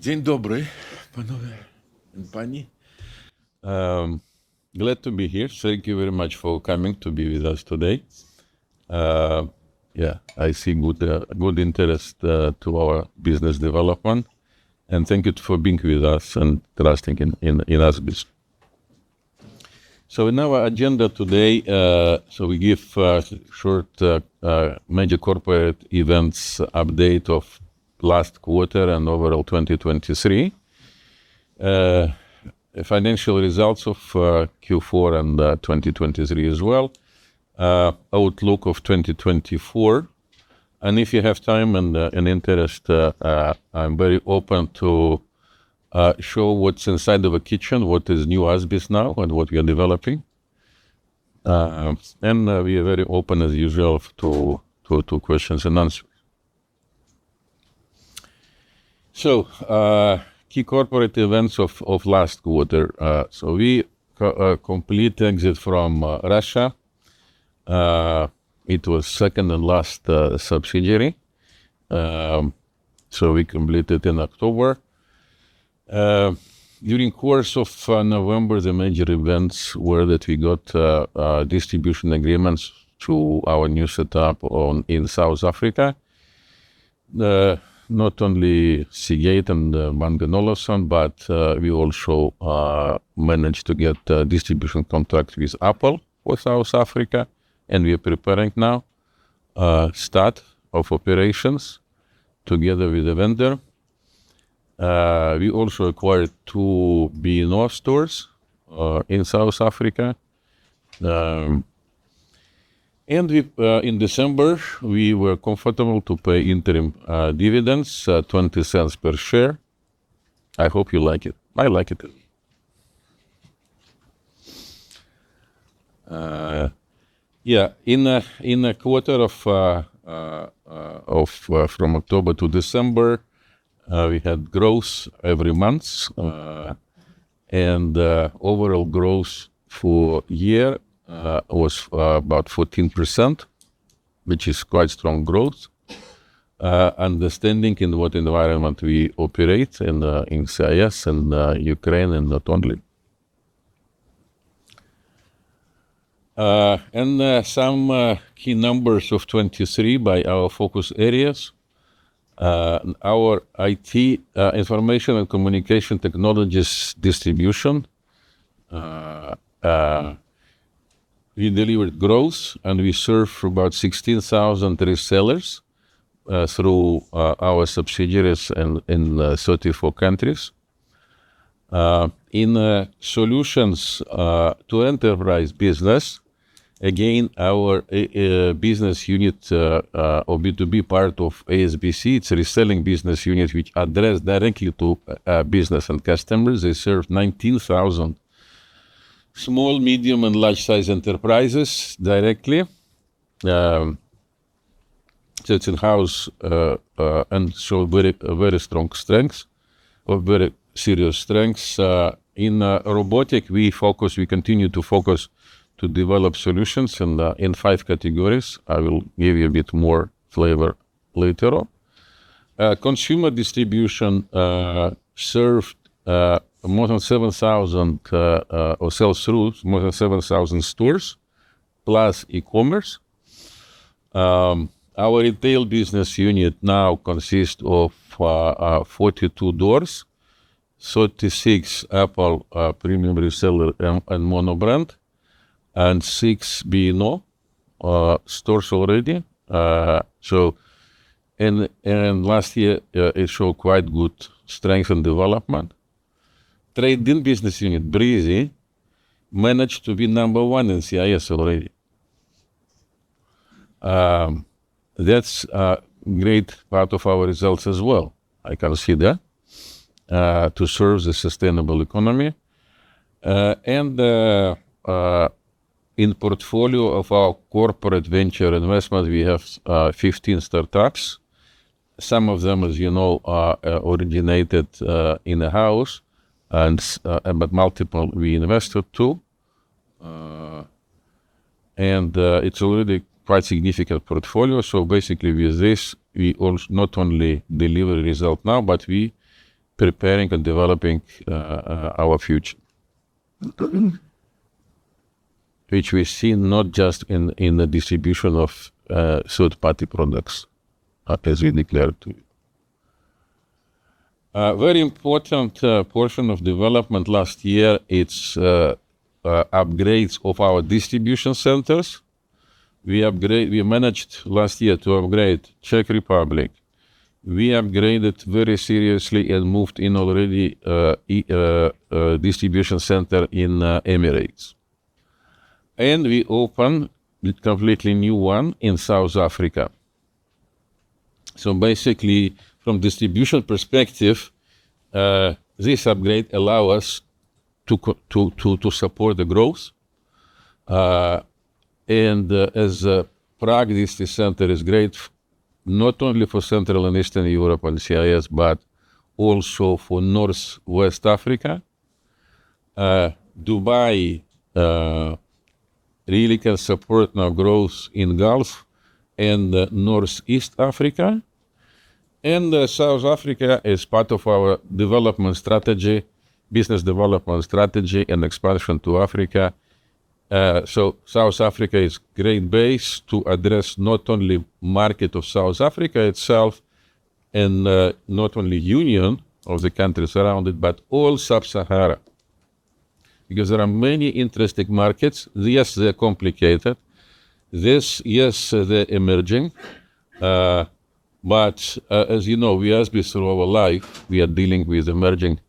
Dzień dobry. Panowie i panie. Glad to be here. Thank you very much for coming to be with us today. I see good interest to our business development, and thank you for being with us and trusting in ASBIS. In our agenda today, we give a short major corporate events update of last quarter and overall 2023. Financial results of Q4 and 2023 as well. Outlook of 2024. If you have time and interest, I'm very open to show what's inside of a kitchen, what is new ASBIS now and what we are developing. We are very open as usual to questions and answers. Key corporate events of last quarter. We completed exit from Russia. It was second and last subsidiary. We completed in October. During course of November, the major events were that we got distribution agreements through our new setup in South Africa. Not only Seagate and Mangoluason, but we also managed to get a distribution contract with Apple in South Africa, and we are preparing now start of operations together with the vendor. We also acquired two B&O stores in South Africa. In December, we were comfortable to pay interim dividends, $0.20 per share. I hope you like it. I like it. In a quarter from October to December, we had growth every month. Overall growth for year was about 14%, which is quite strong growth, understanding in what environment we operate in CIS and Ukraine and not only. Some key numbers of 2023 by our focus areas. Our IT information and communication technologies distribution, we delivered growth and we serve for about 16,000 resellers through our subsidiaries in 34 countries. In solutions to enterprise business, again, our business unit or B2B part of ASBIS, it's a reselling business unit which address directly to business and customers. They serve 19,000 small, medium and large-size enterprises directly. It's in-house, and very a very strong strength or very serious strengths. In robotics, we continue to focus to develop solutions in five categories. I will give you a bit more flavor later on. Consumer distribution serves more than 7,000 or sells through more than 7,000 stores, plus e-commerce. Our retail business unit now consists of 42 doors, 36 Apple premium reseller and mono brand, and six B&O stores already. Last year it show quite good strength and development. Trade-in business unit, Breezy, managed to be number one in CIS already. That's a great part of our results as well. I can see that. To serve the sustainable economy. In portfolio of our corporate venture investment, we have 15 startups. Some of them, as you know, are originated in-house, but multiple we invested too. It's already quite significant portfolio. Basically with this, we also not only deliver result now, but we preparing and developing our future. Which we see not just in the distribution of third-party products, as we declared to you. Very important portion of development last year, it's upgrades of our distribution centers. We managed last year to upgrade Czech Republic. We upgraded very seriously and moved in already distribution center in Emirates. We opened a completely new one in South Africa. Basically, from distribution perspective, this upgrade allow us to support the growth. Prague distribution center is great not only for Central and Eastern Europe and CIS, but also for Northwest Africa. Dubai really can support our growth in Gulf and Northeast Africa. South Africa is part of our development strategy, business development strategy and expansion to Africa. South Africa is great base to address not only market of South Africa itself and not only union of the countries around it, but all sub-Saharan. Because there are many interesting markets. Yes, they're complicated. Yes, they're emerging. As you know, we as we through our life, we are dealing with emerging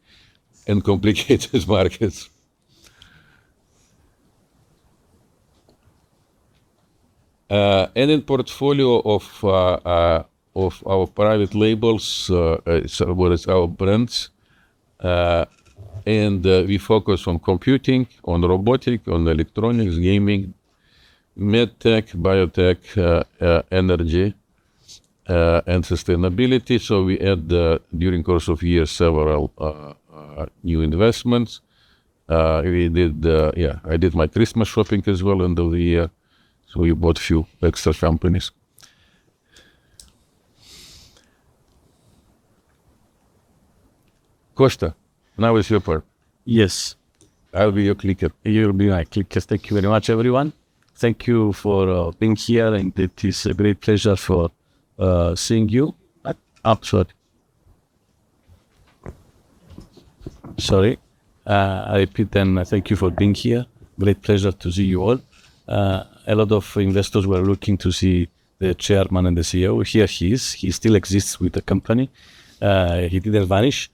and complicated markets. In portfolio of our private labels, what is our brands, and we focus on computing, on robotics, on electronics, gaming, med tech, biotech, energy, and sustainability. We had during course of year several new investments. We did, yeah, I did my Christmas shopping as well end of the year, so we bought few extra companies. Constantinos Tziamalis, now it's your part. Yes. I'll be your clicker. You'll be my clicker. Thank you very much, everyone. Thank you for being here, and it is a great pleasure for seeing you. I repeat, thank you for being here. Great pleasure to see you all. A lot of investors were looking to see the chairman and the CEO. Here he is. He still exists with the company. He didn't vanish.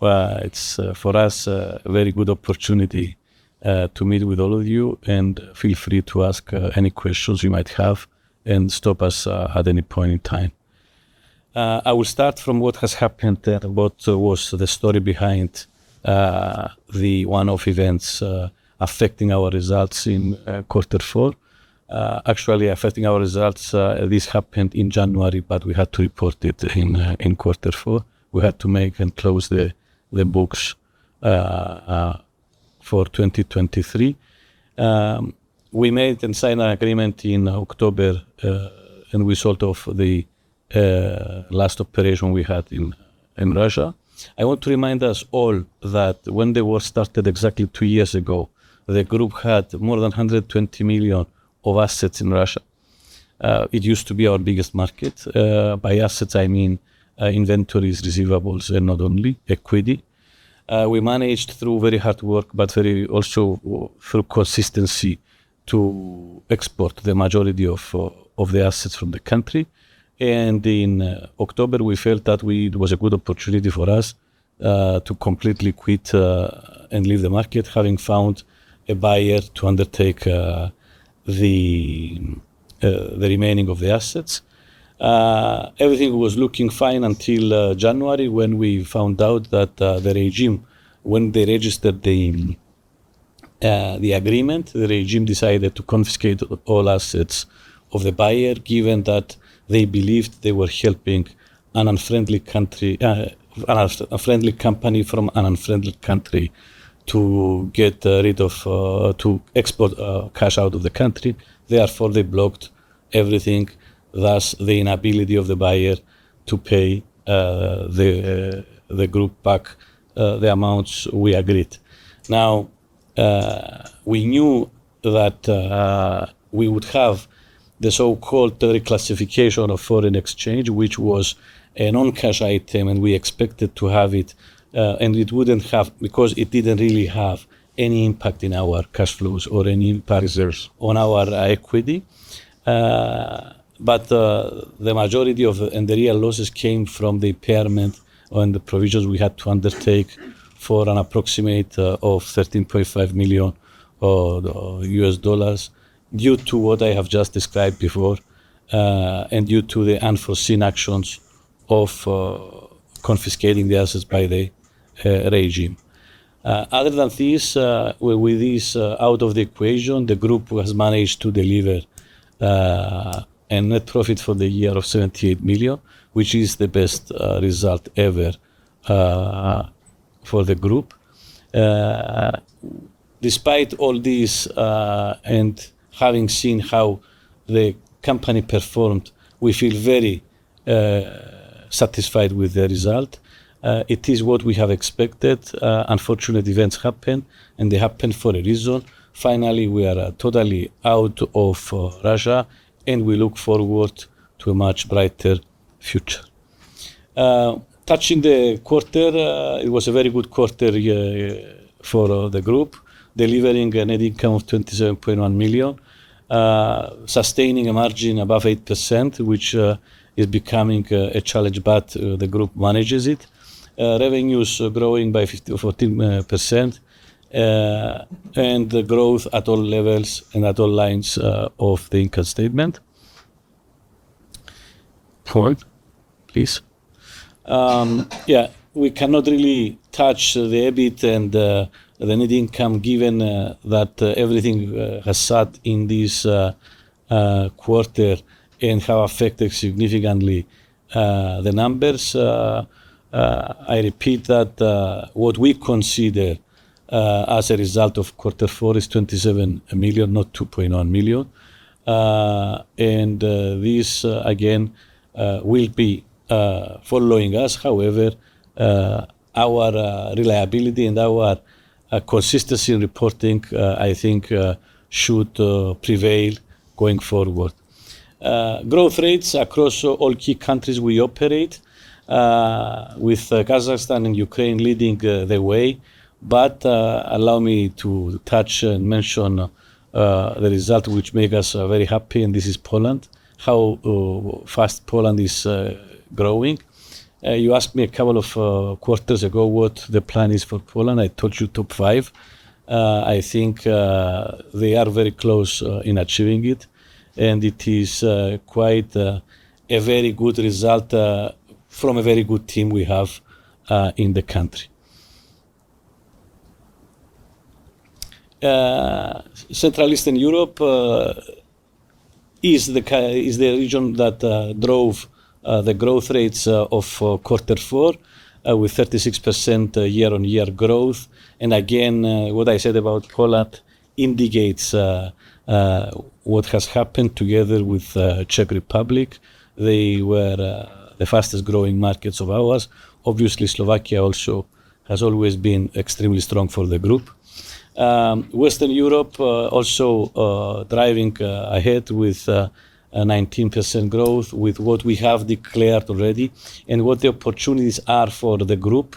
Well, it's for us a very good opportunity to meet with all of you and feel free to ask any questions you might have and stop us at any point in time. I will start from what has happened and what was the story behind the one-off events affecting our results in quarter four. Actually affecting our results, this happened in January, but we had to report it in quarter four. We had to make and close the books for 2023. We made and signed an agreement in October and we sold off the last operation we had in Russia. I want to remind us all that when the war started exactly two years ago, the group had more than $120 million of assets in Russia. It used to be our biggest market. By assets, I mean inventories, receivables, and not only equity. We managed through very hard work, but very also through consistency to export the majority of the assets from the country. In October, we felt that we. It was a good opportunity for us to completely quit and leave the market, having found a buyer to undertake the remaining of the assets. Everything was looking fine until January when we found out that the regime, when they registered the agreement, the regime decided to confiscate all assets of the buyer, given that they believed they were helping an unfriendly country, a friendly company from an unfriendly country to get rid of to export cash out of the country. Therefore, they blocked everything, thus the inability of the buyer to pay the group back the amounts we agreed. Now, we knew that we would have the so-called reclassification of foreign exchange, which was a non-cash item, and we expected to have it, and it wouldn't have because it didn't really have any impact on our cash flows or any impact on reserves on our equity. The majority of the real losses came from the impairment on the provisions we had to undertake for approximately $13.5 million due to what I have just described before, and due to the unforeseen actions of confiscating the assets by the regime. Other than this, with this out of the equation, the group has managed to deliver a net profit for the year of $78 million, which is the best result ever for the group. Despite all this, and having seen how the company performed, we feel very satisfied with the result. It is what we have expected. Unfortunate events happen, and they happen for a reason. Finally, we are totally out of Russia, and we look forward to a much brighter future. Touching the quarter, it was a very good quarter, yeah, for the group, delivering a net income of $27.1 million, sustaining a margin above 8%, which is becoming a challenge, but the group manages it. Revenues growing by 50 or 14%, and the growth at all levels and at all lines of the income statement. Pause, please. We cannot really touch the EBIT and the net income given that everything has sat in this quarter and have affected significantly the numbers. I repeat that what we consider as a result of quarter four is $27 million, not $2.1 million. This again will be following us. However, our reliability and our consistency in reporting I think should prevail going forward. Growth rates across all key countries we operate with Kazakhstan and Ukraine leading the way. Allow me to touch and mention the result which make us very happy, and this is Poland, how fast Poland is growing. You asked me a couple of quarters ago what the plan is for Poland. I told you top five. I think they are very close in achieving it, and it is quite a very good result from a very good team we have in the country. Central Eastern Europe is the region that drove the growth rates of quarter four with 36% year-on-year growth. Again, what I said about Poland indicates what has happened together with Czech Republic. They were the fastest-growing markets of ours. Obviously, Slovakia also has always been extremely strong for the group. Western Europe also driving ahead with a 19% growth with what we have declared already and what the opportunities are for the group,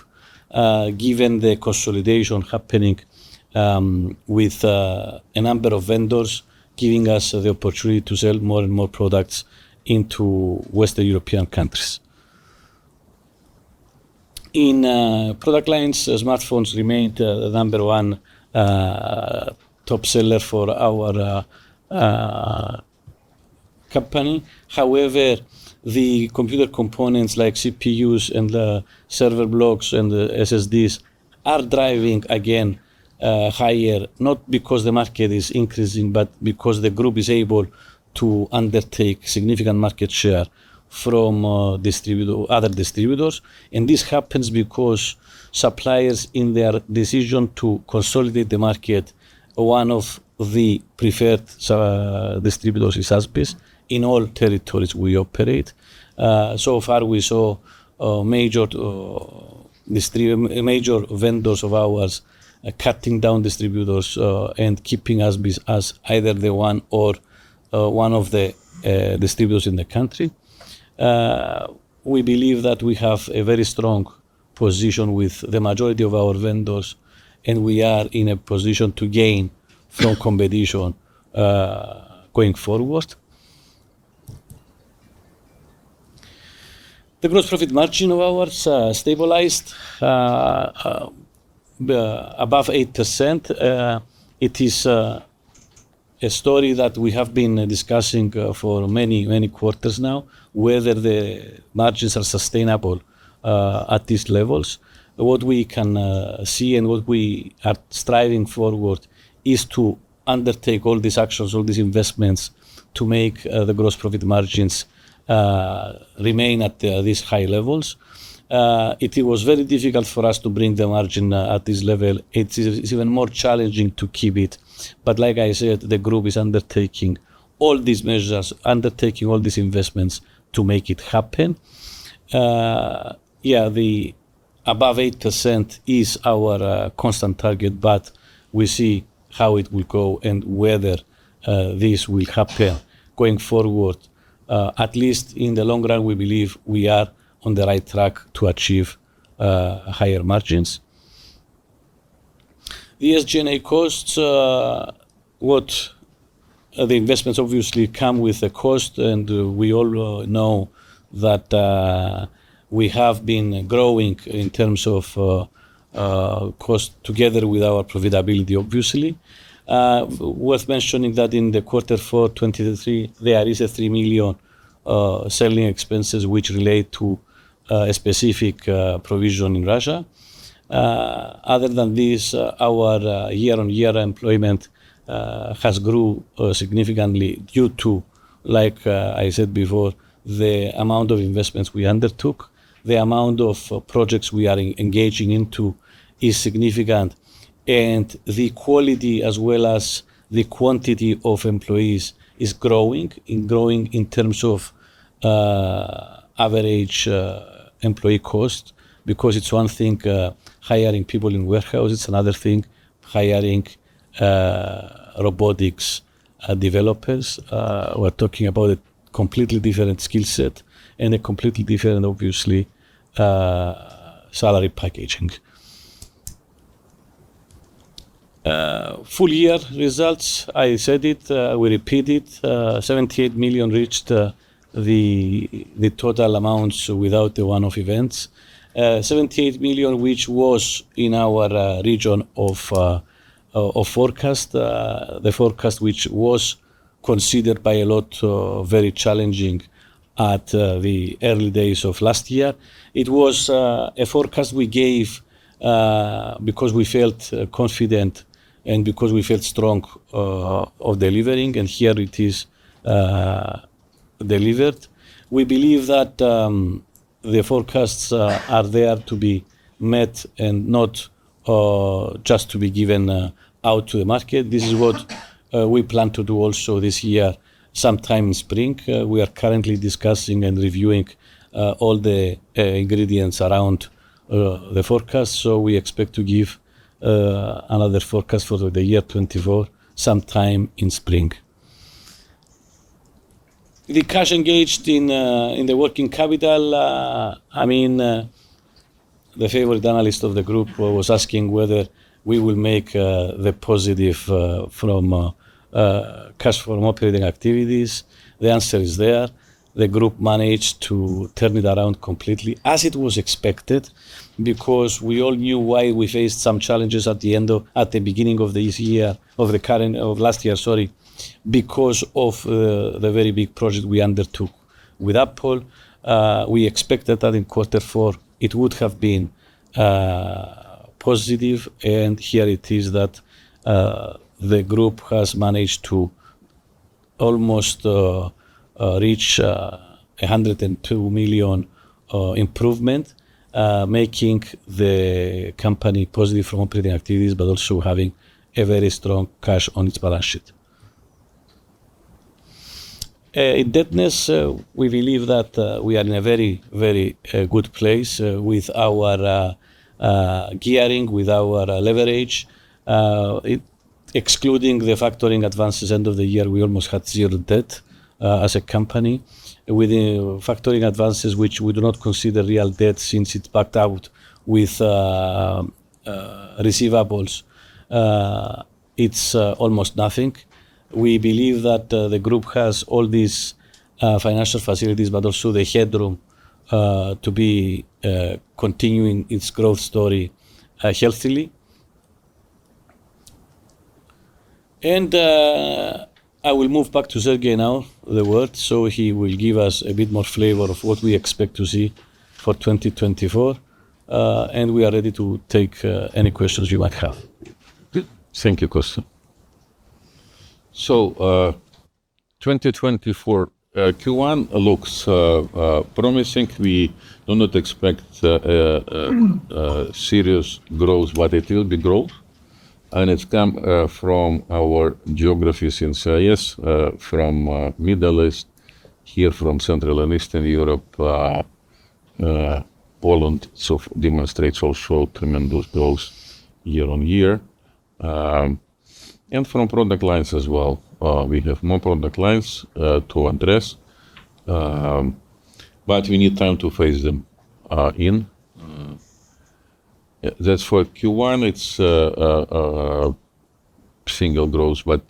given the consolidation happening, with a number of vendors giving us the opportunity to sell more and more products into Western European countries. In product lines, smartphones remained the number one top seller for our company. However, the computer components like CPUs and the server blocks and the SSDs are driving again higher, not because the market is increasing, but because the group is able to undertake significant market share from other distributors. This happens because suppliers, in their decision to consolidate the market, one of the preferred distributors is ASBIS in all territories we operate. We saw major vendors of ours cutting down distributors and keeping ASBIS as either the one or one of the distributors in the country. We believe that we have a very strong position with the majority of our vendors, and we are in a position to gain from competition going forward. The gross profit margin of ours stabilized above 8%. It is a story that we have been discussing for many, many quarters now, whether the margins are sustainable at these levels. What we can see and what we are striving forward is to undertake all these actions, all these investments to make the gross profit margins remain at these high levels. It was very difficult for us to bring the margin at this level. It's even more challenging to keep it. Like I said, the group is undertaking all these measures, undertaking all these investments to make it happen. Yeah, the above 8% is our constant target, but we see how it will go and whether this will happen going forward. At least in the long run, we believe we are on the right track to achieve higher margins. The SG&A costs, the investments obviously come with a cost, and we all know that we have been growing in terms of cost together with our profitability, obviously. Worth mentioning that in quarter four 2023, there is $3 million selling expenses which relate to a specific provision in Russia. Other than this, our year-on-year employment has grew significantly due to, like, I said before, the amount of investments we undertook. The amount of projects we are engaging into is significant, and the quality as well as the quantity of employees is growing, and growing in terms of average employee cost. Because it's one thing hiring people in warehouse, it's another thing hiring robotics developers. We're talking about a completely different skill set and a completely different, obviously, salary packaging. Full year results, I said it, we repeat it. $78 million reached the total amounts without the one-off events. $78 million, which was in our range of forecast. The forecast, which was considered by a lot very challenging at the early days of last year. It was a forecast we gave because we felt confident and because we felt strong of delivering, and here it is delivered. We believe that the forecasts are there to be met and not just to be given out to the market. This is what we plan to do also this year, sometime in spring. We are currently discussing and reviewing all the ingredients around the forecast. We expect to give another forecast for the year 2024, sometime in spring. The cash engaged in the working capital, I mean, the favorite analyst of the group was asking whether we will make the positive cash from operating activities. The answer is there. The group managed to turn it around completely as it was expected, because we all knew why we faced some challenges at the beginning of last year, because of the very big project we undertook with Apple. We expected that in quarter four, it would have been positive, and here it is that the group has managed to almost reach $102 million improvement, making the company positive from operating activities, but also having a very strong cash on its balance sheet. Indebtedness, we believe that we are in a very, very good place with our gearing, with our leverage. Excluding the factoring advances end of the year, we almost had zero debt as a company. With the factoring advances, which we do not consider real debt since it backed out with receivables, it's almost nothing. We believe that the group has all these financial facilities, but also the headroom to be continuing its growth story healthily. I will move back to Siarhei now, the floor, so he will give us a bit more flavor of what we expect to see for 2024, and we are ready to take any questions you might have. Thank you, Consta. 2024 Q1 looks promising. We do not expect serious growth, but it will be growth, and it's come from our geographies in CIS, from Middle East, here from Central and Eastern Europe, Poland so demonstrates also tremendous growth year-on-year, and from product lines as well. We have more product lines to address, but we need time to phase them in. Mm-hmm. That's for Q1, it's single-digit growth, but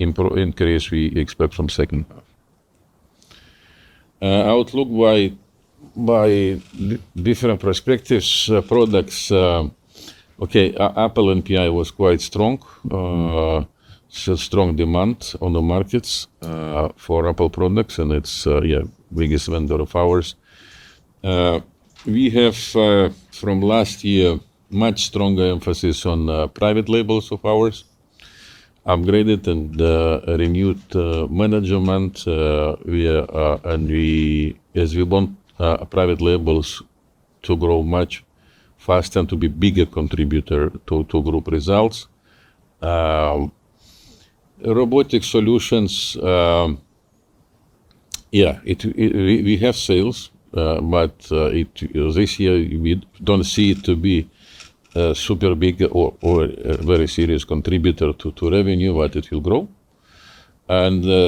increase we expect from second half. Outlook by different perspectives, products. Okay, Apple NPI was quite strong. Still strong demand on the markets for Apple products, and it's, yeah, biggest vendor of ours. We have, from last year, much stronger emphasis on private labels of ours, upgraded and renewed management, and we want private labels to grow much faster and to be bigger contributor to group results. Robotics solutions, yeah, we have sales, but this year we don't see it to be super big or a very serious contributor to revenue, but it will grow.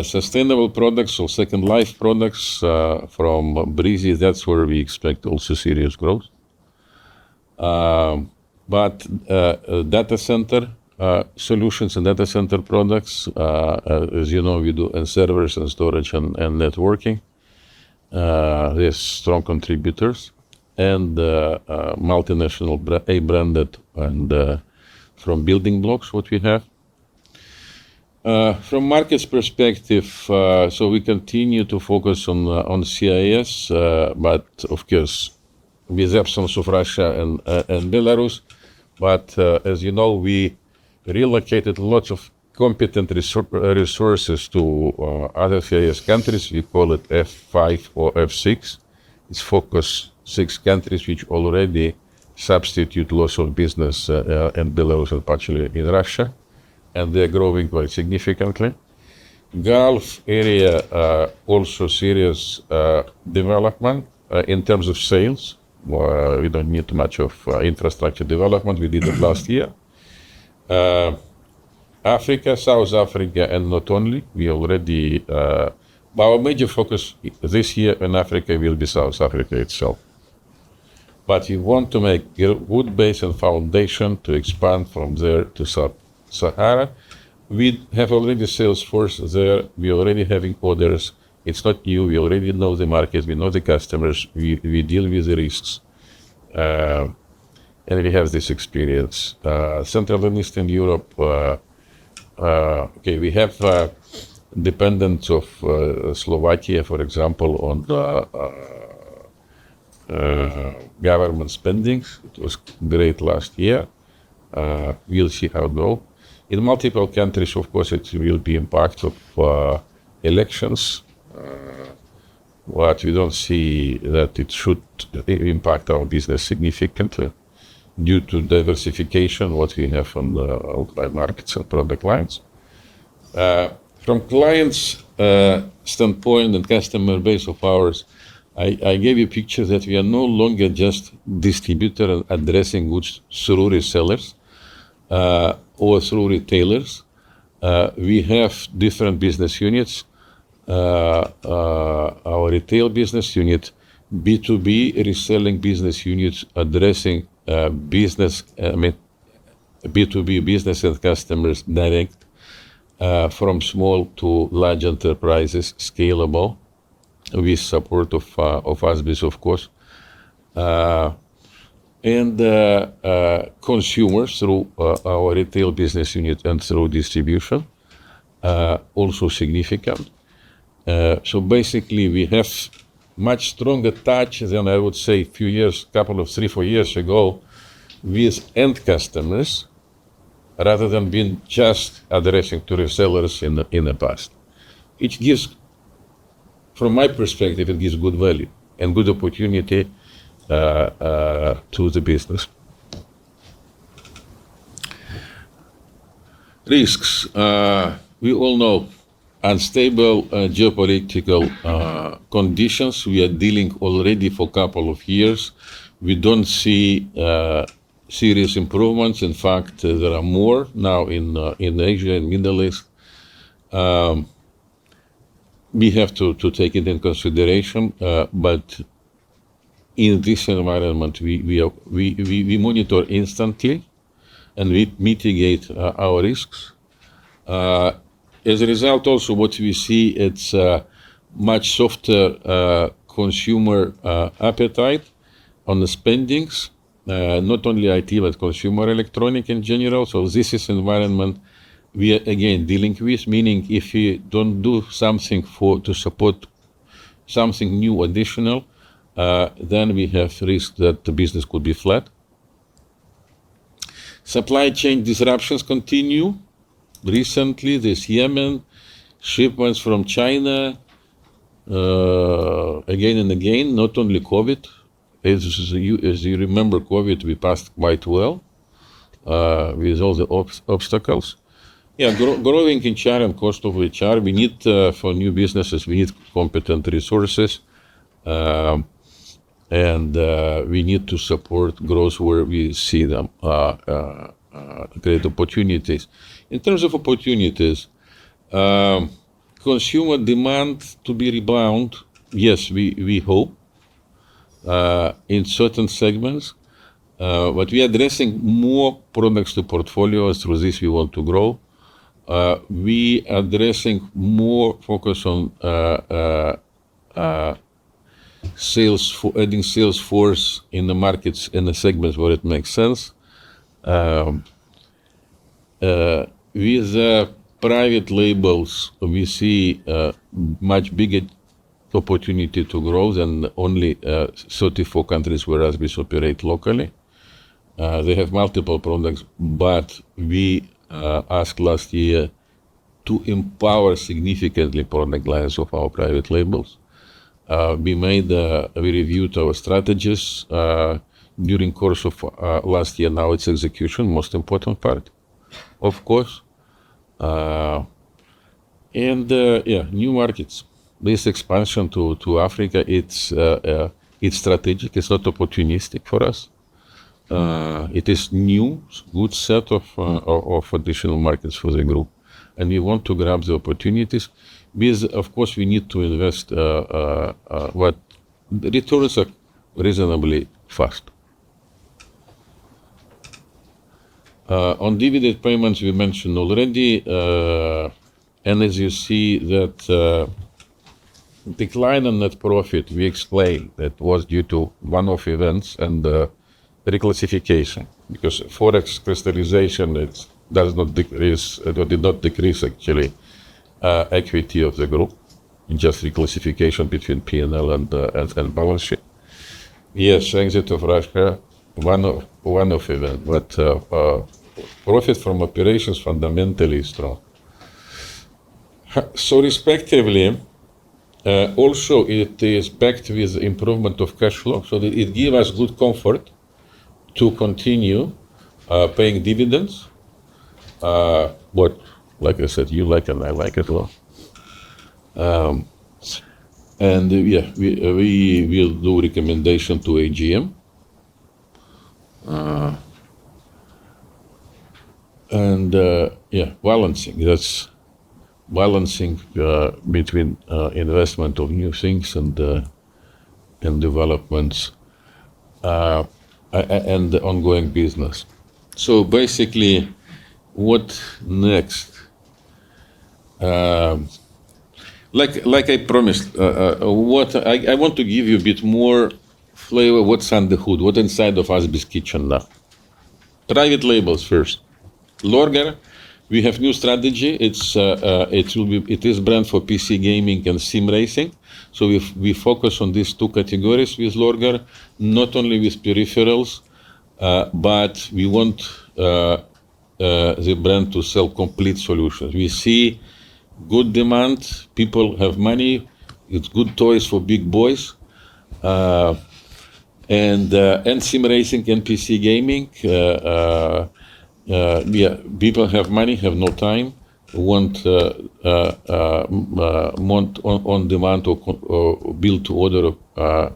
Sustainable products or second life products from Breezy, that's where we expect also serious growth. Data center solutions and data center products, as you know, we do, and servers and storage and networking, they're strong contributors and multinational branded and from building blocks, what we have. From markets perspective, we continue to focus on CIS, but of course, with absence of Russia and Belarus. As you know, we relocated lots of competent resources to other CIS countries. We call it F5 or F6. It's focused six countries which already substitute loss of business in Belarus and partially in Russia, and they're growing quite significantly. Gulf area, also serious development in terms of sales, where we don't need much of infrastructure development. We did it last year. Africa, South Africa, and not only, we already. Our major focus this year in Africa will be South Africa itself. We want to make good base and foundation to expand from there to Sub-Saharan. We have already sales force there. We already having orders. It's not new. We already know the markets. We know the customers. We deal with the risks. We have this experience. Central and Eastern Europe, okay, we have dependence in Slovakia, for example, on government spending. It was great last year. We'll see how it go. In multiple countries, of course, it will be impact of elections, but we don't see that it should impact our business significantly due to diversification, what we have on the outside markets and product lines. From clients' standpoint and customer base of ours, I gave you picture that we are no longer just distributor addressing goods through resellers or through retailers. We have different business units. Our retail business unit, B2B reselling business units addressing business, I mean, B2B business and customers direct from small to large enterprises, scalable with support of ASBIS, of course. Consumers through our retail business unit and through distribution also significant. Basically, we have much stronger touch than I would say few years, couple of three, four years ago with end customers, rather than being just addressing to resellers in the past. It gives, from my perspective, it gives good value and good opportunity to the business. Risks. We all know unstable geopolitical conditions we are dealing already for couple of years. We don't see serious improvements. In fact, there are more now in Asia and Middle East. We have to take it into consideration, but in this environment, we monitor instantly and we mitigate our risks. As a result also what we see it's much softer consumer appetite on the spending, not only IT, but consumer electronics in general. This is environment we are again dealing with, meaning if we don't do something to support something new additional, then we have risk that the business could be flat. Supply chain disruptions continue. Recently, this Yemen shipments from China, again and again, not only COVID. As you remember COVID, we passed quite well with all the obstacles. Yeah, growing in China and cost of HR, we need for new businesses, we need competent resources, and we need to support growth where we see them great opportunities. In terms of opportunities, consumer demand to be rebound, yes, we hope in certain segments. But we are addressing more products to portfolio. Through this we want to grow. We are addressing more focus on adding sales force in the markets, in the segments where it makes sense. With the private labels, we see a much bigger opportunity to grow than only 34 countries where ASBIS operate locally. They have multiple products, but we asked last year to empower significantly product lines of our private labels. We reviewed our strategies during the course of last year. Now it's execution, most important part, of course. New markets. This expansion to Africa, it's strategic. It's not opportunistic for us. It is new. It's a good set of additional markets for the group, and we want to grab the opportunities. With, of course, we need to invest. Returns are reasonably fast. On dividend payments, we mentioned already, and as you see that decline in net profit, we explain that was due to one-off events and reclassification, because Forex crystallization, it does not decrease, it did not decrease actually, equity of the group in just reclassification between P&L and balance sheet. Yes, exit of Russia, one-off event. Profit from operations fundamentally strong. Respectively, also it is backed with improvement of cash flow, so it give us good comfort to continue paying dividends. Like I said, you like and I like it a lot. We will do recommendation to AGM. Balancing. That's balancing between investment of new things and developments and the ongoing business. Basically, what next? Like I promised, what I want to give you a bit more flavor what's under hood, what inside of ASBIS kitchen now. Private labels first. Lorgar, we have new strategy. It is brand for PC gaming and sim racing. We focus on these two categories with Lorgar, not only with peripherals, but we want the brand to sell complete solutions. We see good demand. People have money. It's good toys for big boys. And sim racing and PC gaming, yeah, people have money, have no time, want on demand or build to order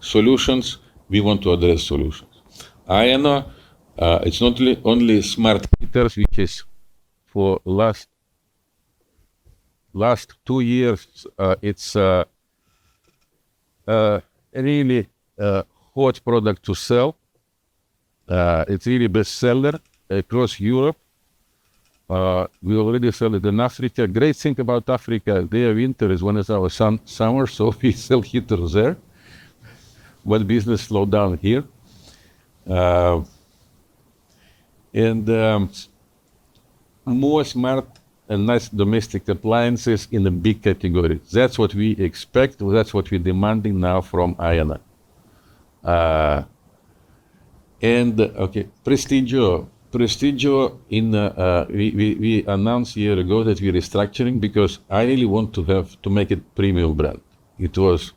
solutions. We want to address solutions. AENO, it's not only smart heaters, which is for last two years, it's really a hot product to sell. It's really bestseller across Europe. We already sell it in Africa. Great thing about Africa, their winter is when it's our summer, so we sell heaters there when business slow down here. More smart and nice domestic appliances in the big category. That's what we expect. That's what we're demanding now from AENO. Okay, Prestigio. Prestigio in, we announced a year ago that we're restructuring because I really want to have to make it premium brand. It was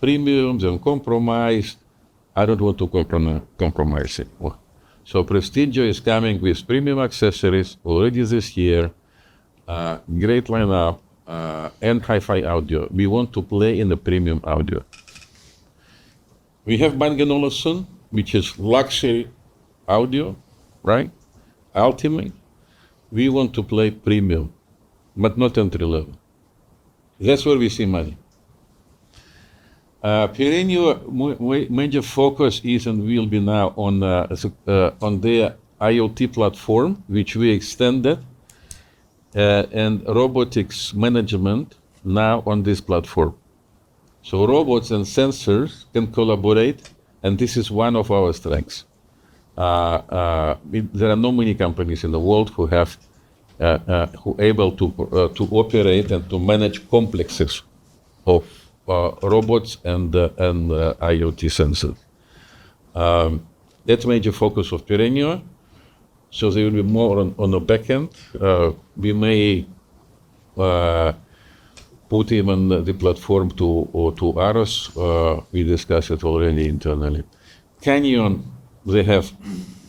premium, then compromised. I don't want to compromise it more. Prestigio is coming with premium accessories already this year. Great lineup, and hi-fi audio. We want to play in the premium audio. We have Bang & Olufsen, which is luxury audio, right? Ultimate. We want to play premium, but not entry-level. That's where we see money. Perenio, major focus is and will be now on their IoT platform, which we extended, and robotics management now on this platform. Robots and sensors can collaborate, and this is one of our strengths. There are not many companies in the world who are able to operate and to manage complexes of robots and IoT sensors. That's major focus of Perenio. They will be more on the back end. We may put even the platform to, or to Aros. We discuss it already internally. Canyon, they have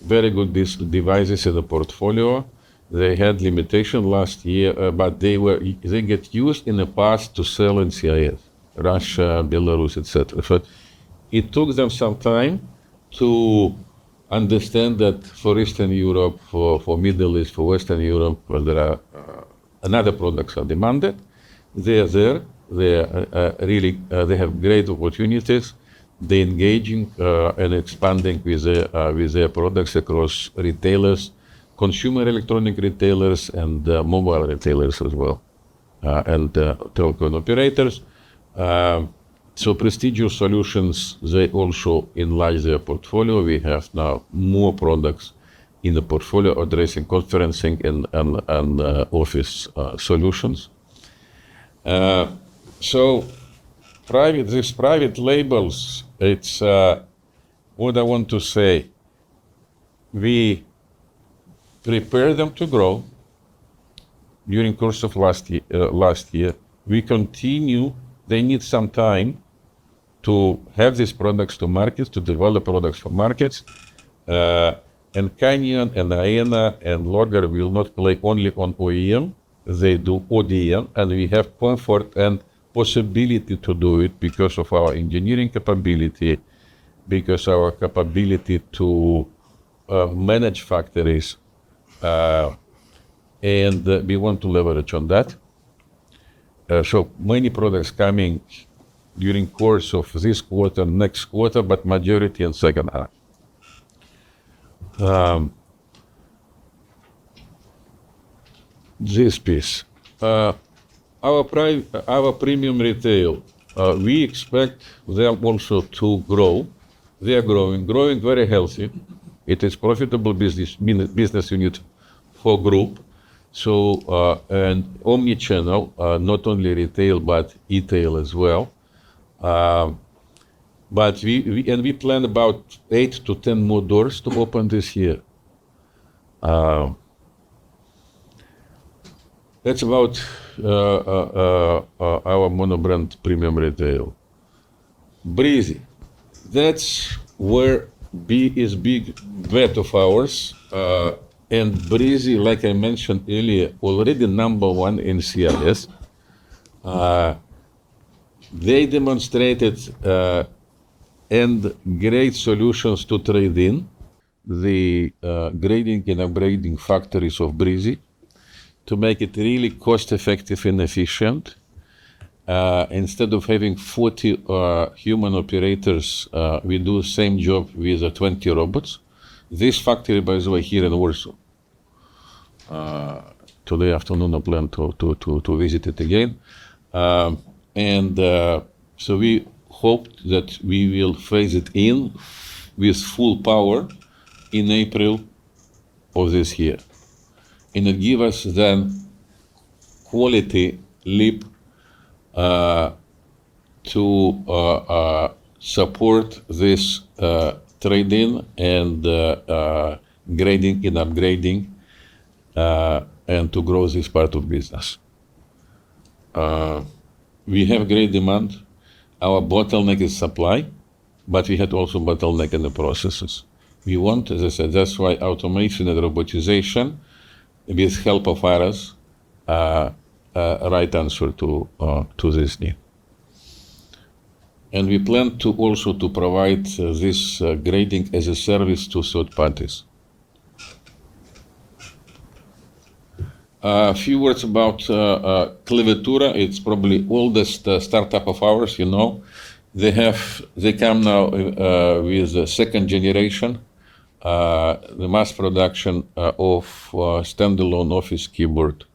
very good devices in the portfolio. They had limitations last year, but they got used in the past to sell in CIS, Russia, Belarus, et cetera. It took them some time to understand that for Eastern Europe, for Middle East, for Western Europe, where there are other products are demanded. They are there. They are really they have great opportunities. They engaging and expanding with their products across retailers, consumer electronics retailers, and mobile retailers as well, and telecom operators. Prestigio Solutions, they also enlarge their portfolio. We have now more products in the portfolio addressing conferencing and office solutions. These private labels, it's what I want to say, we prepare them to grow during course of last year. We continue. They need some time to have these products to markets, to develop products for markets. Canyon, AENO, and Lorgar will not play only on OEM. They do ODM, and we have comfort and possibility to do it because of our engineering capability, because our capability to manage factories, and we want to leverage on that. Many products coming during course of this quarter, next quarter, but majority in second half. This piece. Our premium retail we expect them also to grow. They are growing very healthy. It is profitable business unit for group. Omnichannel, not only retail, but e-tail as well. We plan about 8-10 more doors to open this year. That's about our monobrand premium retail. Breezy, that's where our big bet is. Breezy, like I mentioned earlier, already number one in CIS. They demonstrated great solutions for trade-in, the grading and upgrading factories of Breezy to make it really cost-effective and efficient. Instead of having 40 human operators, we do the same job with 20 robots. This factory, by the way, here in Warsaw. This afternoon I plan to visit it again. We hope that we will phase it in with full power in April of this year. It gives us then a quality leap to support this trade-in and grading and upgrading and to grow this part of business. We have great demand. Our bottleneck is supply, but we also had a bottleneck in the processes. We want, as I said, that's why automation and robotization with help of AROS right answer to this need. We plan to also to provide this grading as a service to third parties. A few words about Clevetura. It's probably oldest startup of ours, you know. They come now with a second generation. The mass production of standalone office keyboard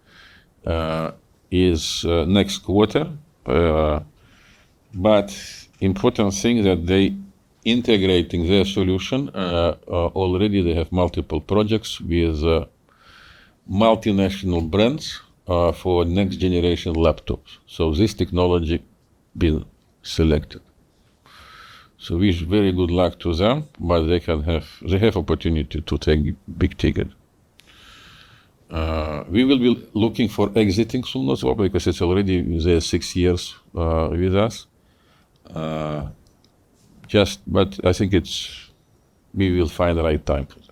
is next quarter. Important thing that they integrating their solution already they have multiple projects with multinational brands for next generation laptops. This technology been selected. Wish very good luck to them, but they have opportunity to take big ticket. We will be looking for exiting sooner or later because it's already they're six years with us. We will find the right time for that.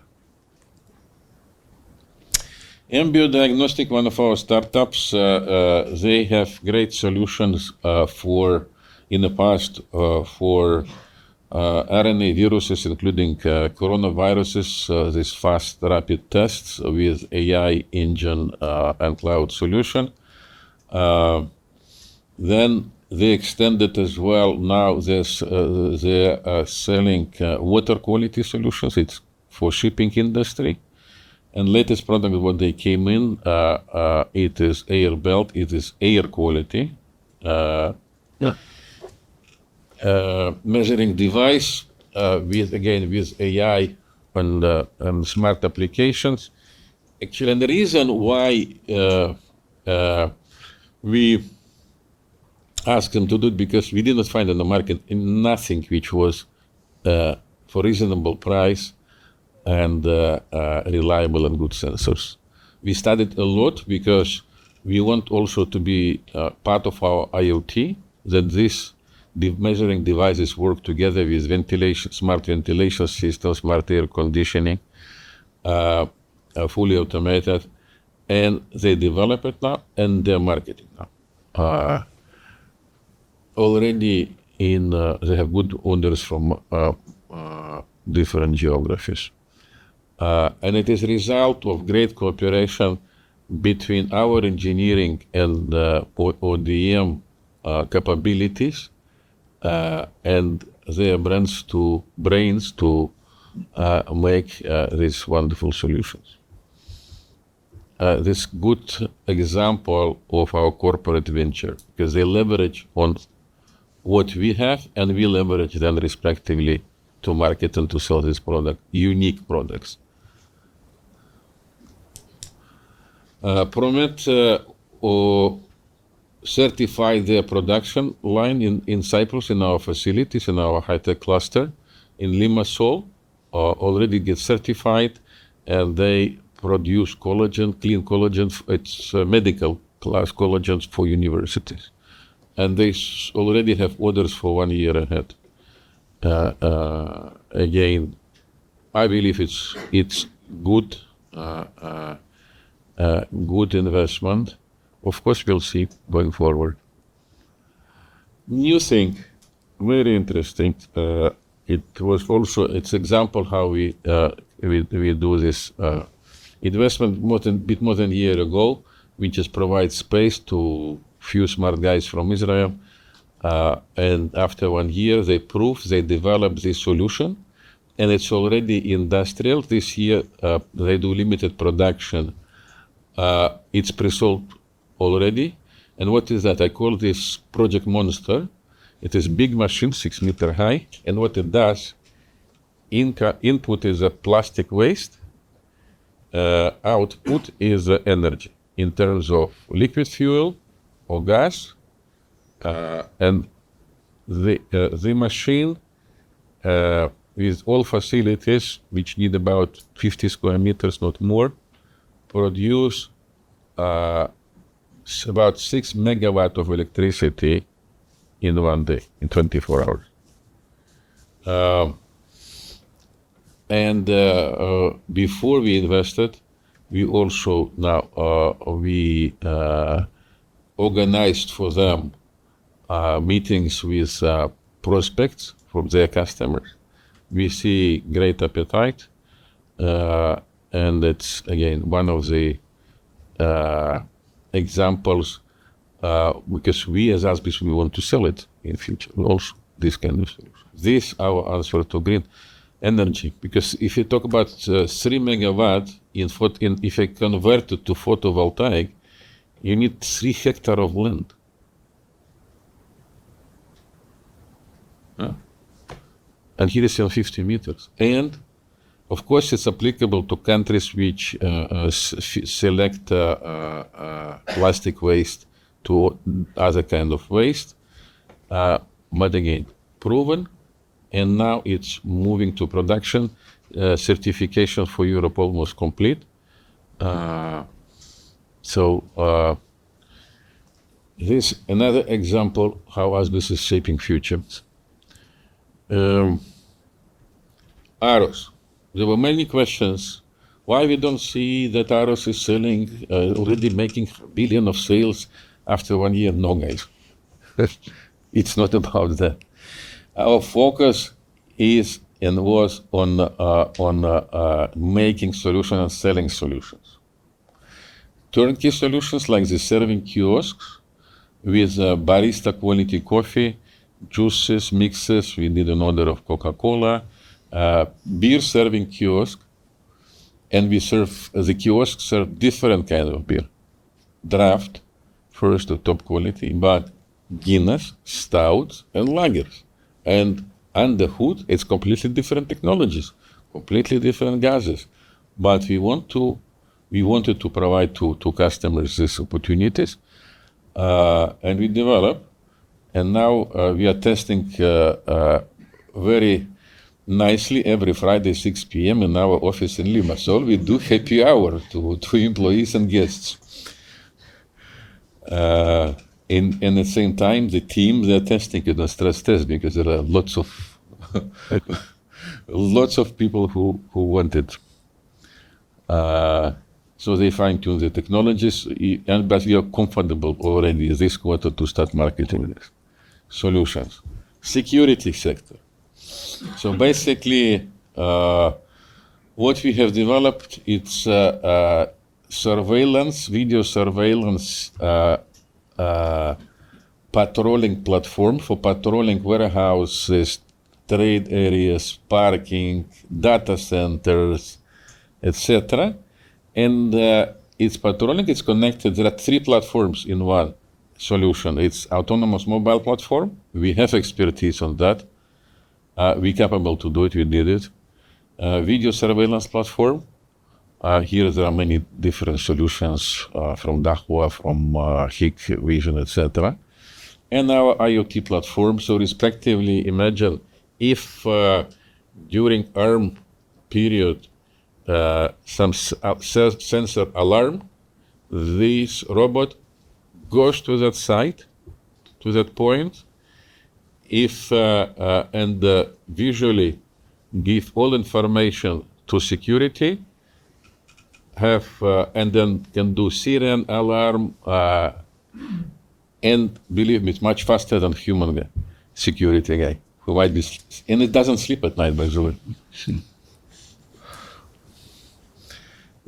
Embio Diagnostics, one of our startups, they have great solutions for in the past for RNA viruses, including coronaviruses, these fast rapid tests with AI engine and cloud solution. Then they extend it as well. Now this, they are selling water quality solutions. It's for shipping industry. Latest product when they came in, it is Airbelt, it is air quality measuring device, with again, with AI and smart applications. Actually, the reason why we asked them to do it because we didn't find in the market nothing which was for reasonable price and reliable and good sensors. We studied a lot because we want also to be part of our IoT, that these measuring devices work together with ventilation, smart ventilation systems, smart air conditioning, fully automated, and they develop it now, and they're marketing now. Already, they have good orders from different geographies. It is result of great cooperation between our engineering and ODM capabilities, and their brains to make these wonderful solutions. This good example of our corporate venture, because they leverage on what we have, and we leverage them respectively to market and to sell this product, unique products. Promed certified their production line in Cyprus, in our facilities, in our high-tech cluster in Limassol, already get certified, and they produce collagen, clean collagen. It's medical class collagens for universities. They already have orders for one year ahead. Again, I believe it's good investment. Of course, we'll see going forward. New thing, very interesting. It was also. It's an example how we do this investment more than a bit more than a year ago. We just provide space to a few smart guys from Israel, and after one year, they prove, they develop this solution, and it's already industrial. This year, they do limited production. It's pre-sold already. What is that? I call this Project Monster. It is a big machine, six meters high, and what it does, input is a plastic waste, output is energy in terms of liquid fuel or gas. The machine with all facilities which need about 50 square meters, not more, produce about 6 megawatts of electricity in one day, in 24 hours. Before we invested, we also now organized for them meetings with prospects from their customers. We see great appetite, and it's again one of the examples because we as ASBIS, we want to sell it in future also, this kind of solutions. This our answer to green energy, because if you talk about three megawatts in photovoltaic if you convert it to photovoltaic, you need 3 hect of land. Huh? Here is your 50 meters. Of course, it's applicable to countries which select plastic waste to other kind of waste. Again, proven, and now it's moving to production. Certification for Europe almost complete. This is another example of how ASBIS is shaping future. AROS. There were many questions why we don't see that AROS is selling already making billions of sales after one year. No, guys. It's not about that. Our focus is and was on making solutions and selling solutions. Turnkey solutions like the serving kiosks with barista quality coffee, juices, mixes. We did an order of Coca-Cola. Beer serving kiosk, and the kiosks serve different kind of beer. Draft, first off top quality, but Guinness, stouts, and lagers. Under the hood, it's completely different technologies, completely different gases. We wanted to provide to customers these opportunities, and we develop. Now we are testing very nicely every Friday at 6:00 P.M. in our office in Limassol. We do happy hour to employees and guests. At the same time, the team, they're testing in a stress test because there are lots of people who want it. They fine-tune the technologies and but we are comfortable already this quarter to start marketing these solutions. Security sector. Basically, what we have developed, it's a surveillance, video surveillance patrolling platform for patrolling warehouses, trade areas, parking, data centers, et cetera. It's patrolling. It's connected. There are three platforms in one solution. It's autonomous mobile platform. We have expertise on that. We capable to do it. We did it. Video surveillance platform. Here there are many different solutions from Dahua, from Hikvision, et cetera. Our IoT platform. Respectively, imagine if during alarm period some sensor alarm, this robot goes to that site, to that point and visually give all information to security and then can do siren alarm, and believe me, it's much faster than human security guy who might be. It doesn't sleep at night, by the way.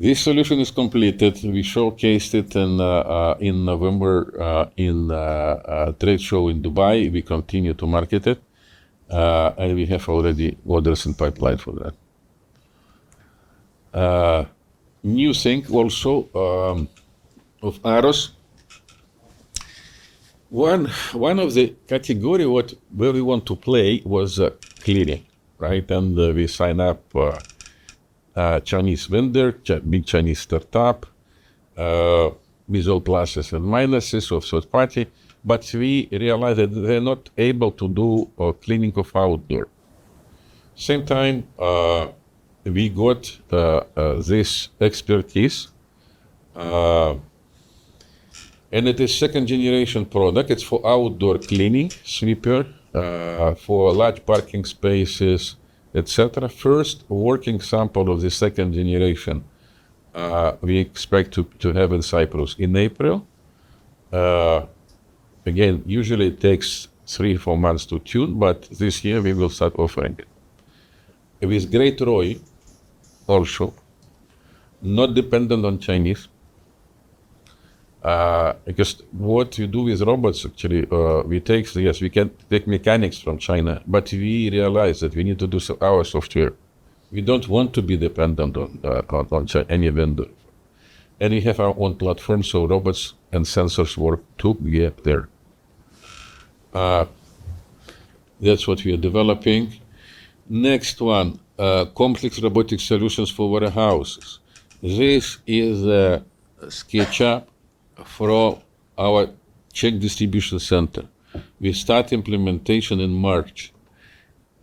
This solution is completed. We showcased it in November in trade show in Dubai. We continue to market it, and we have already orders in pipeline for that. New thing also of AROS. One of the category where we want to play was cleaning, right? We sign up a Chinese vendor, big Chinese startup, with all pluses and minuses of third party, but we realized that they're not able to do outdoor cleaning. At the same time, we got this expertise, and it is second generation product. It's for outdoor cleaning, sweeper, for large parking spaces, et cetera. First working sample of the second generation, we expect to have in Cyprus in April. Again, usually it takes three, four months to tune, but this year we will start offering it. With great ROI also, not dependent on Chinese. Because what you do with robots actually, we take. Yes, we can take mechanics from China, but we realize that we need to do our software. We don't want to be dependent on any vendor. We have our own platform, so robots and sensors work to get there. That's what we are developing. Next one, complex robotic solutions for warehouses. This is a SketchUp for our Czech distribution center. We start implementation in March,